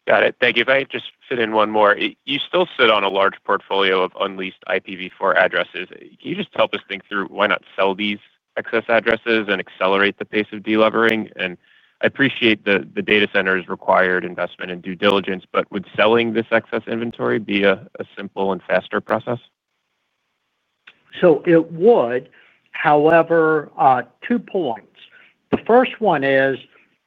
Got it. Thank you. If I could just fit in one more, you still sit on a large portfolio of unleashed IPv4 addresses. Can you just help us think through why not sell these excess addresses and accelerate the pace of delivering? I appreciate the data centers required investment and due diligence, but would selling this excess inventory be a simple and faster process? It would. However, two points. The first one is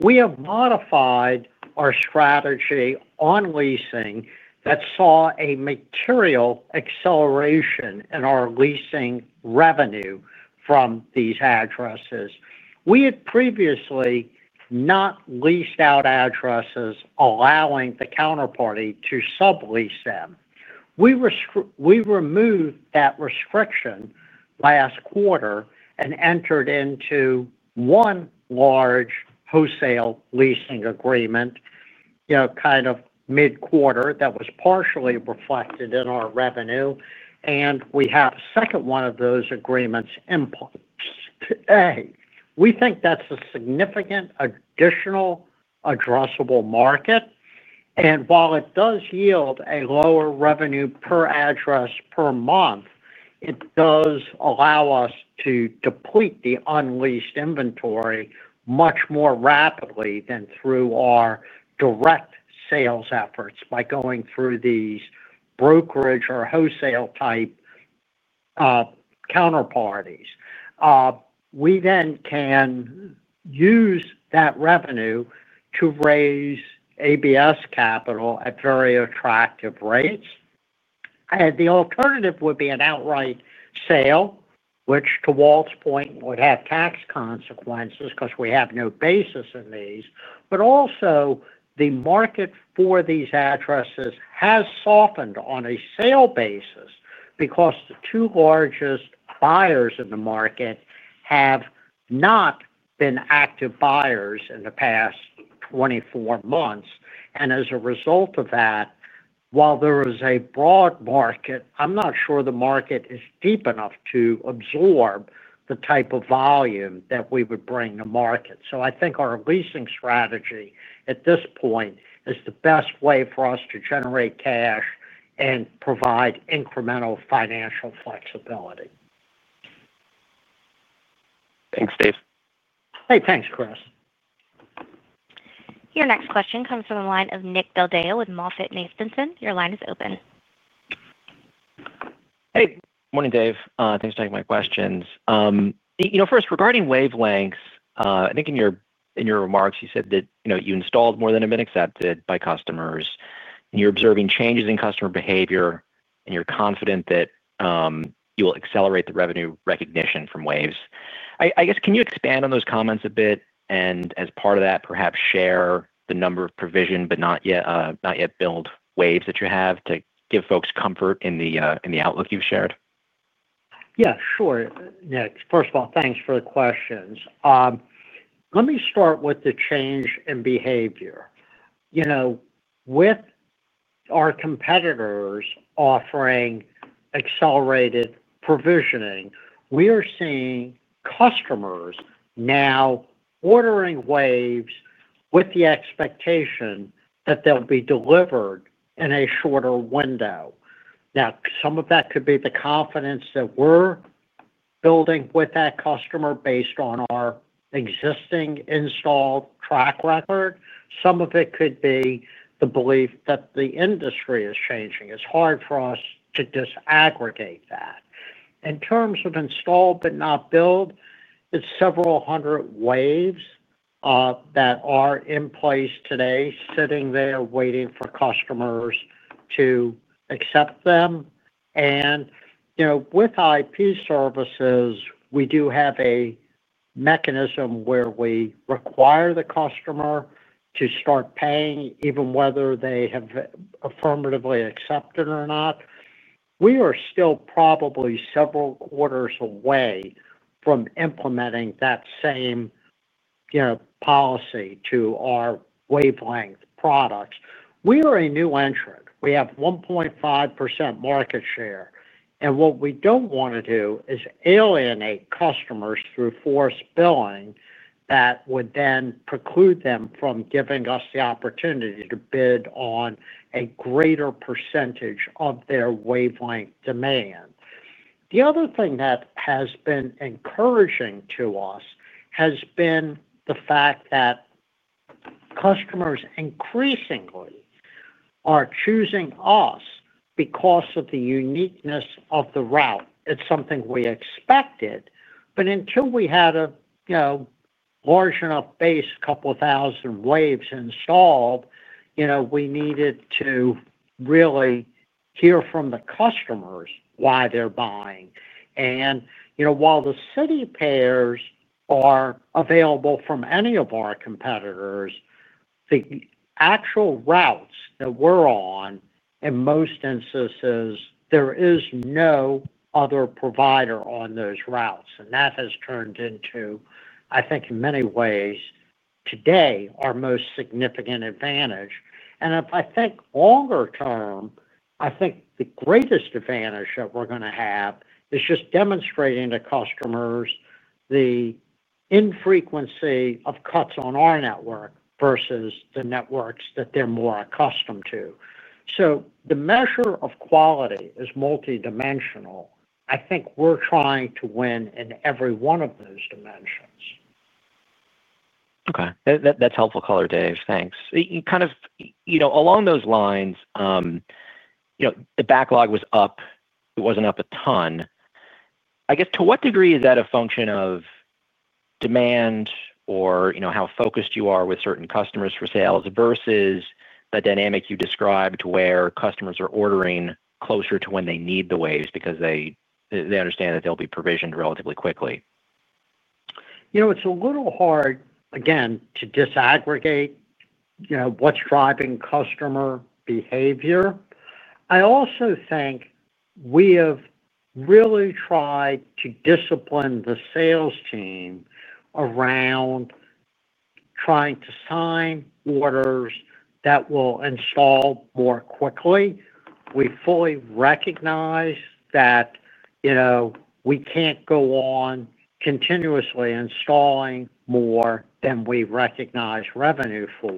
we have modified our strategy on leasing that saw a material acceleration in our leasing revenue from these addresses. We had previously not leased out addresses allowing the counterparty to sublease them. We removed that restriction last quarter and entered into one large wholesale leasing agreement kind of mid-quarter that was partially reflected in our revenue. We have a second one of those agreements in place today. We think that's a significant additional addressable market. While it does yield a lower revenue per address per month, it does allow us to deplete the unleashed inventory much more rapidly than through our direct sales efforts by going through these brokerage or wholesale type counterparties. We then can use that revenue to raise ABS capital at very attractive rates. The alternative would be an outright sale, which, to Walt's point, would have tax consequences because we have no basis in these. Also, the market for these addresses has softened on a sale basis because the two largest buyers in the market have not been active buyers in the past 24 months. As a result of that, while there is a broad market, I'm not sure the market is deep enough to absorb the type of volume that we would bring to market. I think our leasing strategy at this point is the best way for us to generate cash and provide incremental financial flexibility. Thanks, Dave. Hey, thanks, Chris. Your next question comes from the line of Nick Del Deo with MoffettNathanson. Your line is open. Hey. Morning, Dave. Thanks for taking my questions. First, regarding wavelengths, I think in your remarks, you said that you installed more than have been accepted by customers. And you're observing changes in customer behavior, and you're confident that you will accelerate the revenue recognition from waves. I guess, can you expand on those comments a bit and, as part of that, perhaps share the number of provision but not yet billed waves that you have to give folks comfort in the outlook you've shared? Yeah, sure. Yeah. First of all, thanks for the questions. Let me start with the change in behavior. With. Our competitors offering accelerated provisioning, we are seeing customers now ordering waves with the expectation that they'll be delivered in a shorter window. Some of that could be the confidence that we're building with that customer based on our existing install track record. Some of it could be the belief that the industry is changing. It's hard for us to disaggregate that. In terms of install but not build, it's several hundred waves that are in place today, sitting there waiting for customers to accept them. With IP services, we do have a mechanism where we require the customer to start paying, even whether they have affirmatively accepted or not. We are still probably several quarters away from implementing that same policy to our wavelength products. We are a new entrant. We have 1.5% market share. What we do not want to do is alienate customers through forced billing that would then preclude them from giving us the opportunity to bid on a greater percentage of their wavelength demand. The other thing that has been encouraging to us has been the fact that customers increasingly are choosing us because of the uniqueness of the route. It is something we expected, but until we had a large enough base, a couple of thousand waves installed, we needed to really hear from the customers why they are buying. While the city pairs are available from any of our competitors, the actual routes that we are on, in most instances, there is no other provider on those routes. That has turned into, I think, in many ways, today, our most significant advantage. If I think longer term, I think the greatest advantage that we're going to have is just demonstrating to customers the infrequency of cuts on our network versus the networks that they're more accustomed to. The measure of quality is multidimensional. I think we're trying to win in every one of those dimensions. Okay. That's helpful color, Dave. Thanks. Kind of along those lines, the backlog was up. It wasn't up a ton. I guess, to what degree is that a function of demand or how focused you are with certain customers for sales versus the dynamic you described where customers are ordering closer to when they need the waves because they understand that they'll be provisioned relatively quickly? It's a little hard, again, to disaggregate what's driving customer behavior. I also think we have really tried to discipline the sales team around. Trying to sign orders that will install more quickly. We fully recognize that. We can't go on continuously installing more than we recognize revenue for.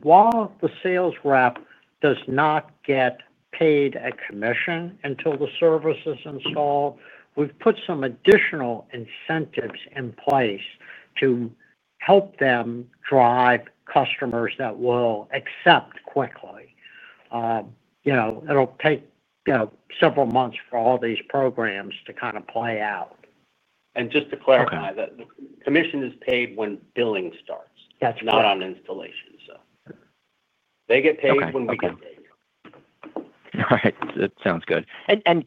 While the sales rep does not get paid a commission until the service is installed, we've put some additional incentives in place to help them drive customers that will accept quickly. It'll take several months for all these programs to kind of play out. Just to clarify, the commission is paid when billing starts, not on installation, so they get paid when we get paid. Right. That sounds good. Sorry,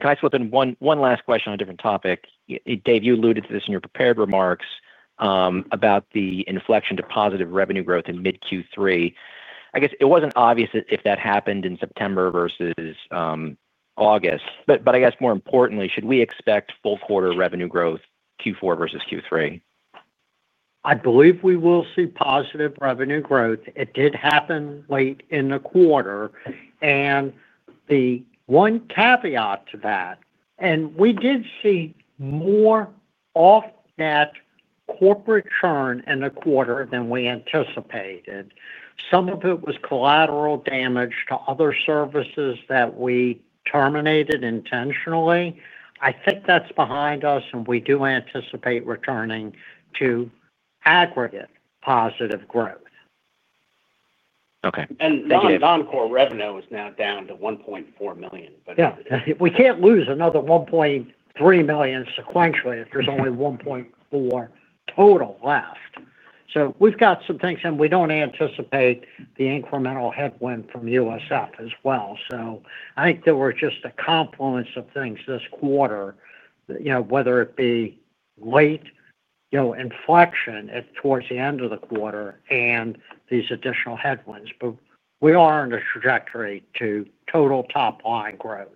can I slip in one last question on a different topic? Dave, you alluded to this in your prepared remarks about the inflection to positive revenue growth in mid-Q3. I guess it wasn't obvious if that happened in September versus August. I guess, more importantly, should we expect full-quarter revenue growth, Q4 versus Q3? I believe we will see positive revenue growth. It did happen late in the quarter. The one caveat to that, and we did see more off-net corporate churn in the quarter than we anticipated. Some of it was collateral damage to other services that we terminated intentionally. I think that's behind us, and we do anticipate returning to aggregate positive growth. The non-core revenue is now down to $1.4 million, but, yeah, we can't lose another $1.3 million sequentially if there's only $1.4 million total left. We've got some things, and we do not anticipate the incremental headwind from USF as well. I think there were just a confluence of things this quarter, whether it be late inflection towards the end of the quarter, and these additional headwinds. We are on a trajectory to total top-line growth.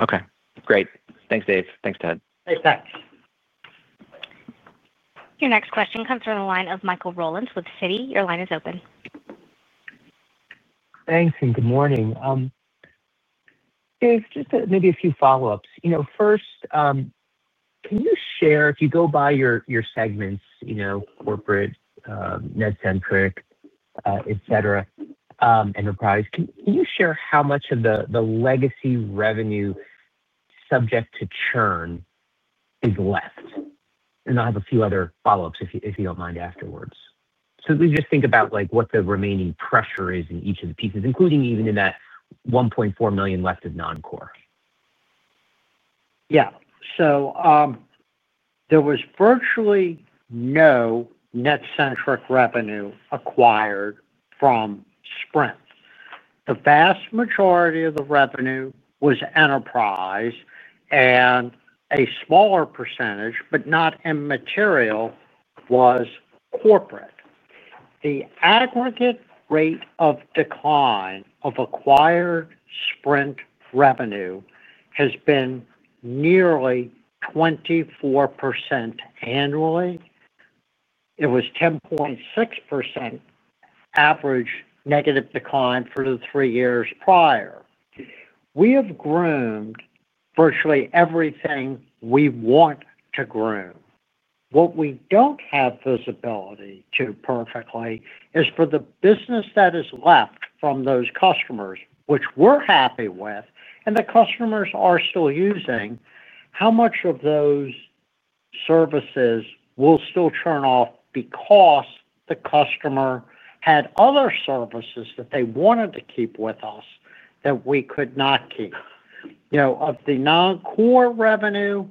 Okay. Great. Thanks, Dave. Thanks, Tad. Thanks. Your next question comes from the line of Michael Rowlands with Citi. Your line is open. Thanks. And good morning. Dave, just maybe a few follow-ups. First. Can you share if you go by your segments, corporate, Netcentric, etc., enterprise, can you share how much of the legacy revenue subject to churn is left? I will have a few other follow-ups, if you do not mind, afterwards. We just think about what the remaining pressure is in each of the pieces, including even in that $1.4 million left of non-core. Yeah. There was virtually no Netcentric revenue acquired from Sprint. The vast majority of the revenue was enterprise, and a smaller percentage, but not immaterial, was corporate. The aggregate rate of decline of acquired Sprint revenue has been nearly 24% annually. It was 10.6%. Average negative decline for the three years prior. We have groomed virtually everything we want to groom. What we do not have visibility to perfectly is for the business that is left from those customers, which we are happy with, and the customers are still using, how much of those services will still churn off because the customer had other services that they wanted to keep with us that we could not keep. Of the non-core revenue,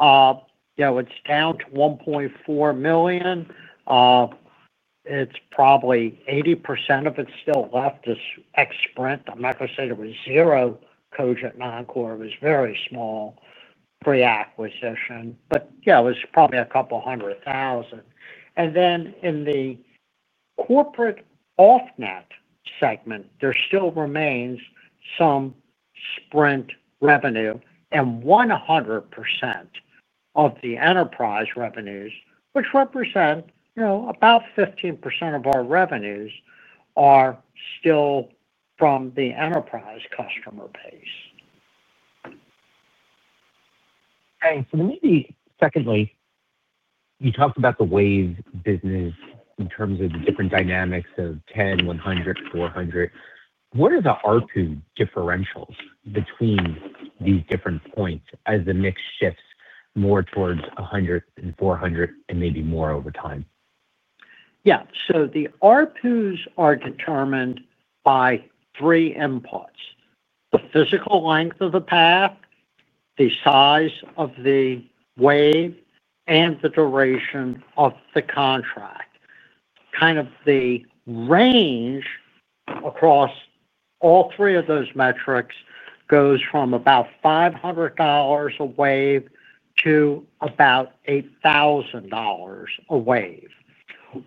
it is down to $1.4 million. It is probably 80% of it still left, this ex-Sprint. I am not going to say there was zero Cogent non-core. It was very small pre-acquisition. Yeah, it was probably a couple of hundred thousand. In the corporate off-net segment, there still remains some Sprint revenue. 100% of the enterprise revenues, which represent about 15% of our revenues, are still from the enterprise customer base. Maybe secondly, you talked about the wave business in terms of the different dynamics of 10, 100, 400. What are the ARPU differentials between these different points as the mix shifts more towards 100 and 400 and maybe more over time? Yeah. The ARPUs are determined by three inputs: the physical length of the path, the size of the wave, and the duration of the contract. Kind of the range across all three of those metrics goes from about $500 a wave to about $8,000 a wave.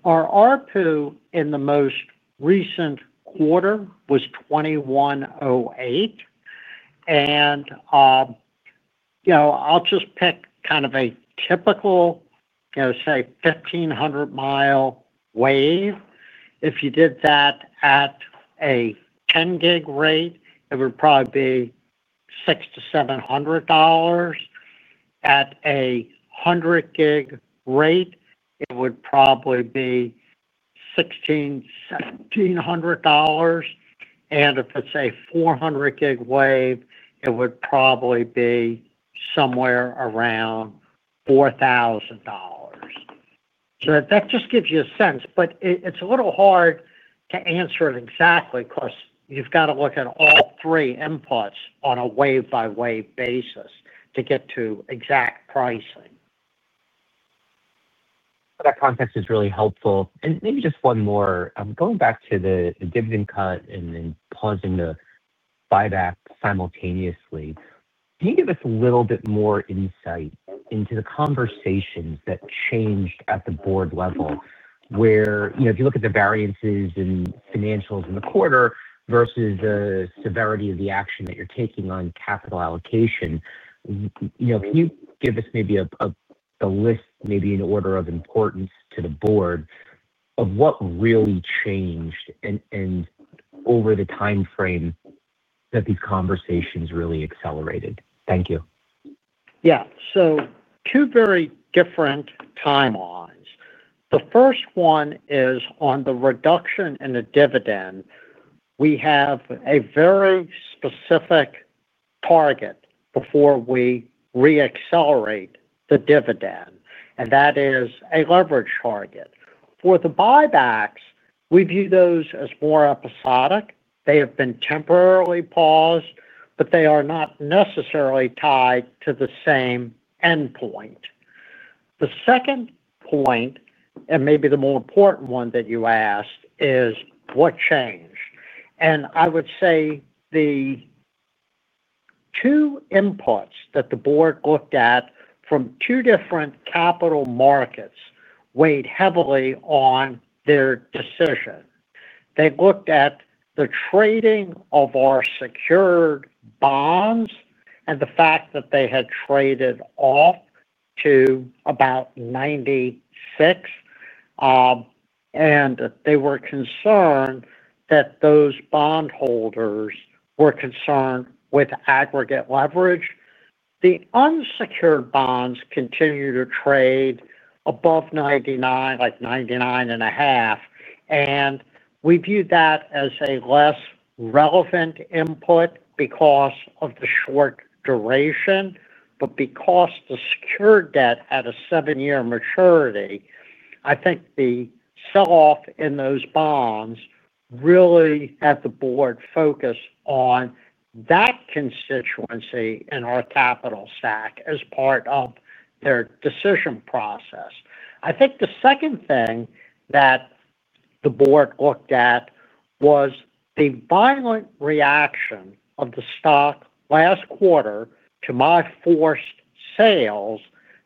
Our ARPU in the most recent quarter was $2,108. I'll just pick kind of a typical, say 1,500-mile wave. If you did that at a 10-Gb rate, it would probably be $600 to $700. At a 100-Gb rate, it would probably be $1,600 to $1,700. And if it's a 400-Gb wave, it would probably be somewhere around $4,000. That just gives you a sense. It is a little hard to answer it exactly because you have to look at all three inputs on a wave-by-wave basis to get to exact pricing. That context is really helpful. Maybe just one more. Going back to the dividend cut and then pausing the buyback simultaneously, can you give us a little bit more insight into the conversations that changed at the board level where if you look at the variances in financials in the quarter versus the severity of the action that you are taking on capital allocation. Can you give us maybe a list, maybe in order of importance to the board, of what really changed over the timeframe that these conversations really accelerated? Thank you. Yeah. Two very different timelines. The first one is on the reduction in the dividend. We have a very specific. Target before we re-accelerate the dividend. That is a leverage target. For the buybacks, we view those as more episodic. They have been temporarily paused, but they are not necessarily tied to the same endpoint. The second point, and maybe the more important one that you asked, is what changed. I would say the two inputs that the board looked at from two different capital markets weighed heavily on their decision. They looked at the trading of our secured bonds and the fact that they had traded off to about $96. They were concerned that those bondholders were concerned with aggregate leverage. The unsecured bonds continue to trade above $99, like $99.50. We viewed that as a less relevant input because of the short duration. Because the secured debt had a seven-year maturity, I think the sell-off in those bonds really had the board focus on that constituency in our capital stack as part of their decision process. I think the second thing that the board looked at was the violent reaction of the stock last quarter to my forced sales.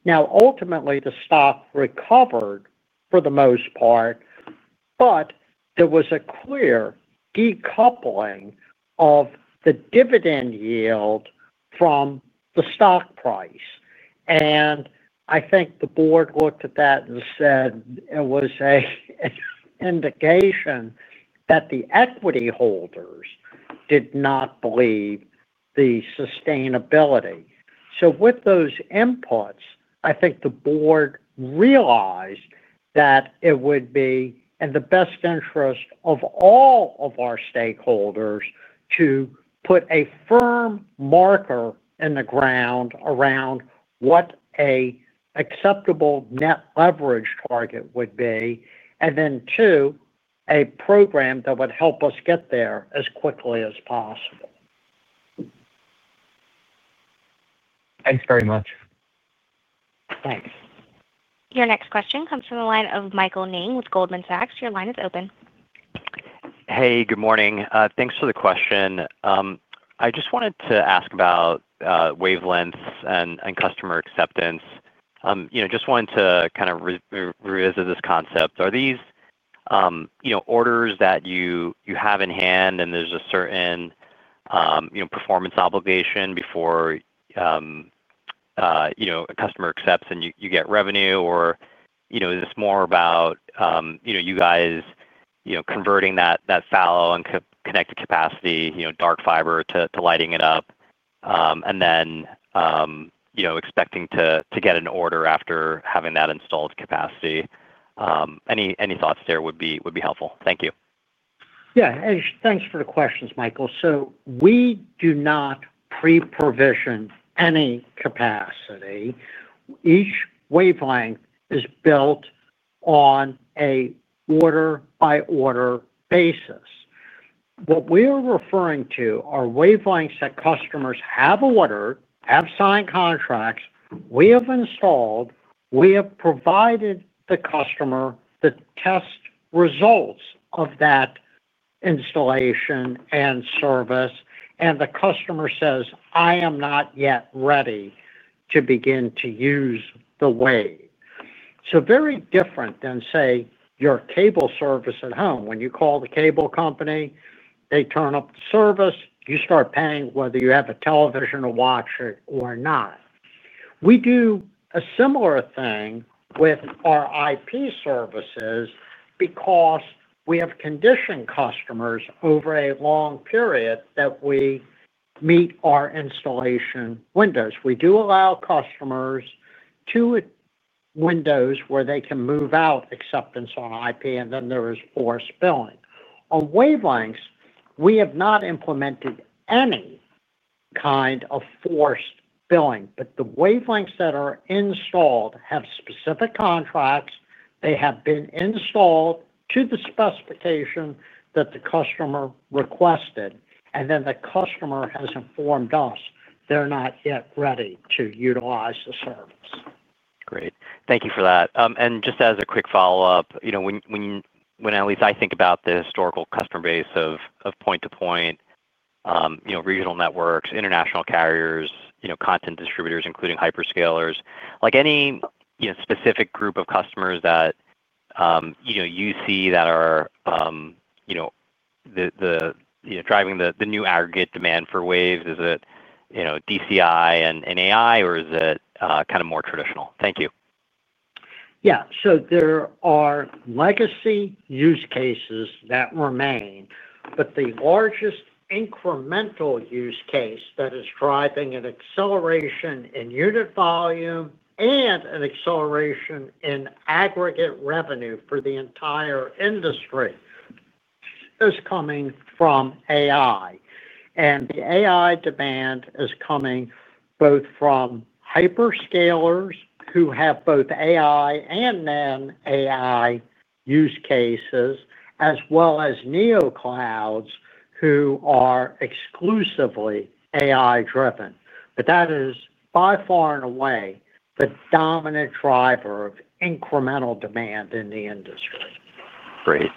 Ultimately, the stock recovered for the most part, but there was a clear decoupling of the dividend yield from the stock price. I think the board looked at that and said it was an indication that the equity holders did not believe the sustainability. With those inputs, I think the board realized that it would be in the best interest of all of our stakeholders to put a firm marker in the ground around what an acceptable net leverage target would be, and then, two, a program that would help us get there as quickly as possible. Thanks very much. Thanks. Your next question comes from the line of Michael Ng with Goldman Sachs. Your line is open. Hey, good morning. Thanks for the question. I just wanted to ask about wavelengths and customer acceptance. Just wanted to kind of revisit this concept. Are these orders that you have in hand, and there is a certain performance obligation before a customer accepts and you get revenue, or is this more about you guys converting that fallow and connected capacity, dark fiber, to lighting it up. And then. Expecting to get an order after having that installed capacity? Any thoughts there would be helpful. Thank you. Yeah. Thanks for the questions, Michael. We do not pre-provision any capacity. Each wavelength is built on an order-by-order basis. What we are referring to are wavelengths that customers have ordered, have signed contracts, we have installed, we have provided the customer the test results of that installation and service, and the customer says, "I am not yet ready to begin to use the wave." Very different than, say, your cable service at home. When you call the cable company, they turn up the service, you start paying whether you have a television or watch it or not. We do a similar thing with our IP services because we have conditioned customers over a long period that we meet our installation windows. We do allow customers two. Windows where they can move out acceptance on IP, and then there is forced billing. On wavelengths, we have not implemented any kind of forced billing. The wavelengths that are installed have specific contracts. They have been installed to the specification that the customer requested, and then the customer has informed us they're not yet ready to utilize the service. Great. Thank you for that. Just as a quick follow-up, when at least I think about the historical customer base of point-to-point, regional networks, international carriers, content distributors, including hyperscalers, any specific group of customers that you see that are driving the new aggregate demand for waves? Is it DCI and AI, or is it kind of more traditional? Thank you. Yeah. There are legacy use cases that remain, but the largest incremental use case that is driving an acceleration in unit volume and an acceleration in aggregate revenue for the entire industry is coming from AI. The AI demand is coming both from Hyperscalers who have both AI and then AI use cases, as well as Neoclouds who are exclusively AI-driven. That is by far and away the dominant driver of incremental demand in the industry. Great.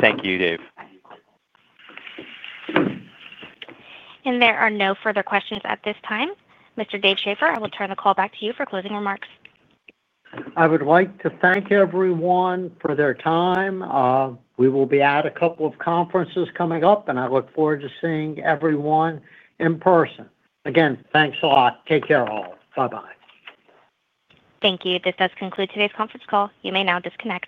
Thank you, Dave. There are no further questions at this time. Mr. Dave Schaeffer, I will turn the call back to you for closing remarks. I would like to thank everyone for their time. We will be at a couple of conferences coming up, and I look forward to seeing everyone in person. Again, thanks a lot. Take care, all. Bye-bye. Thank you. This does conclude today's conference call. You may now disconnect.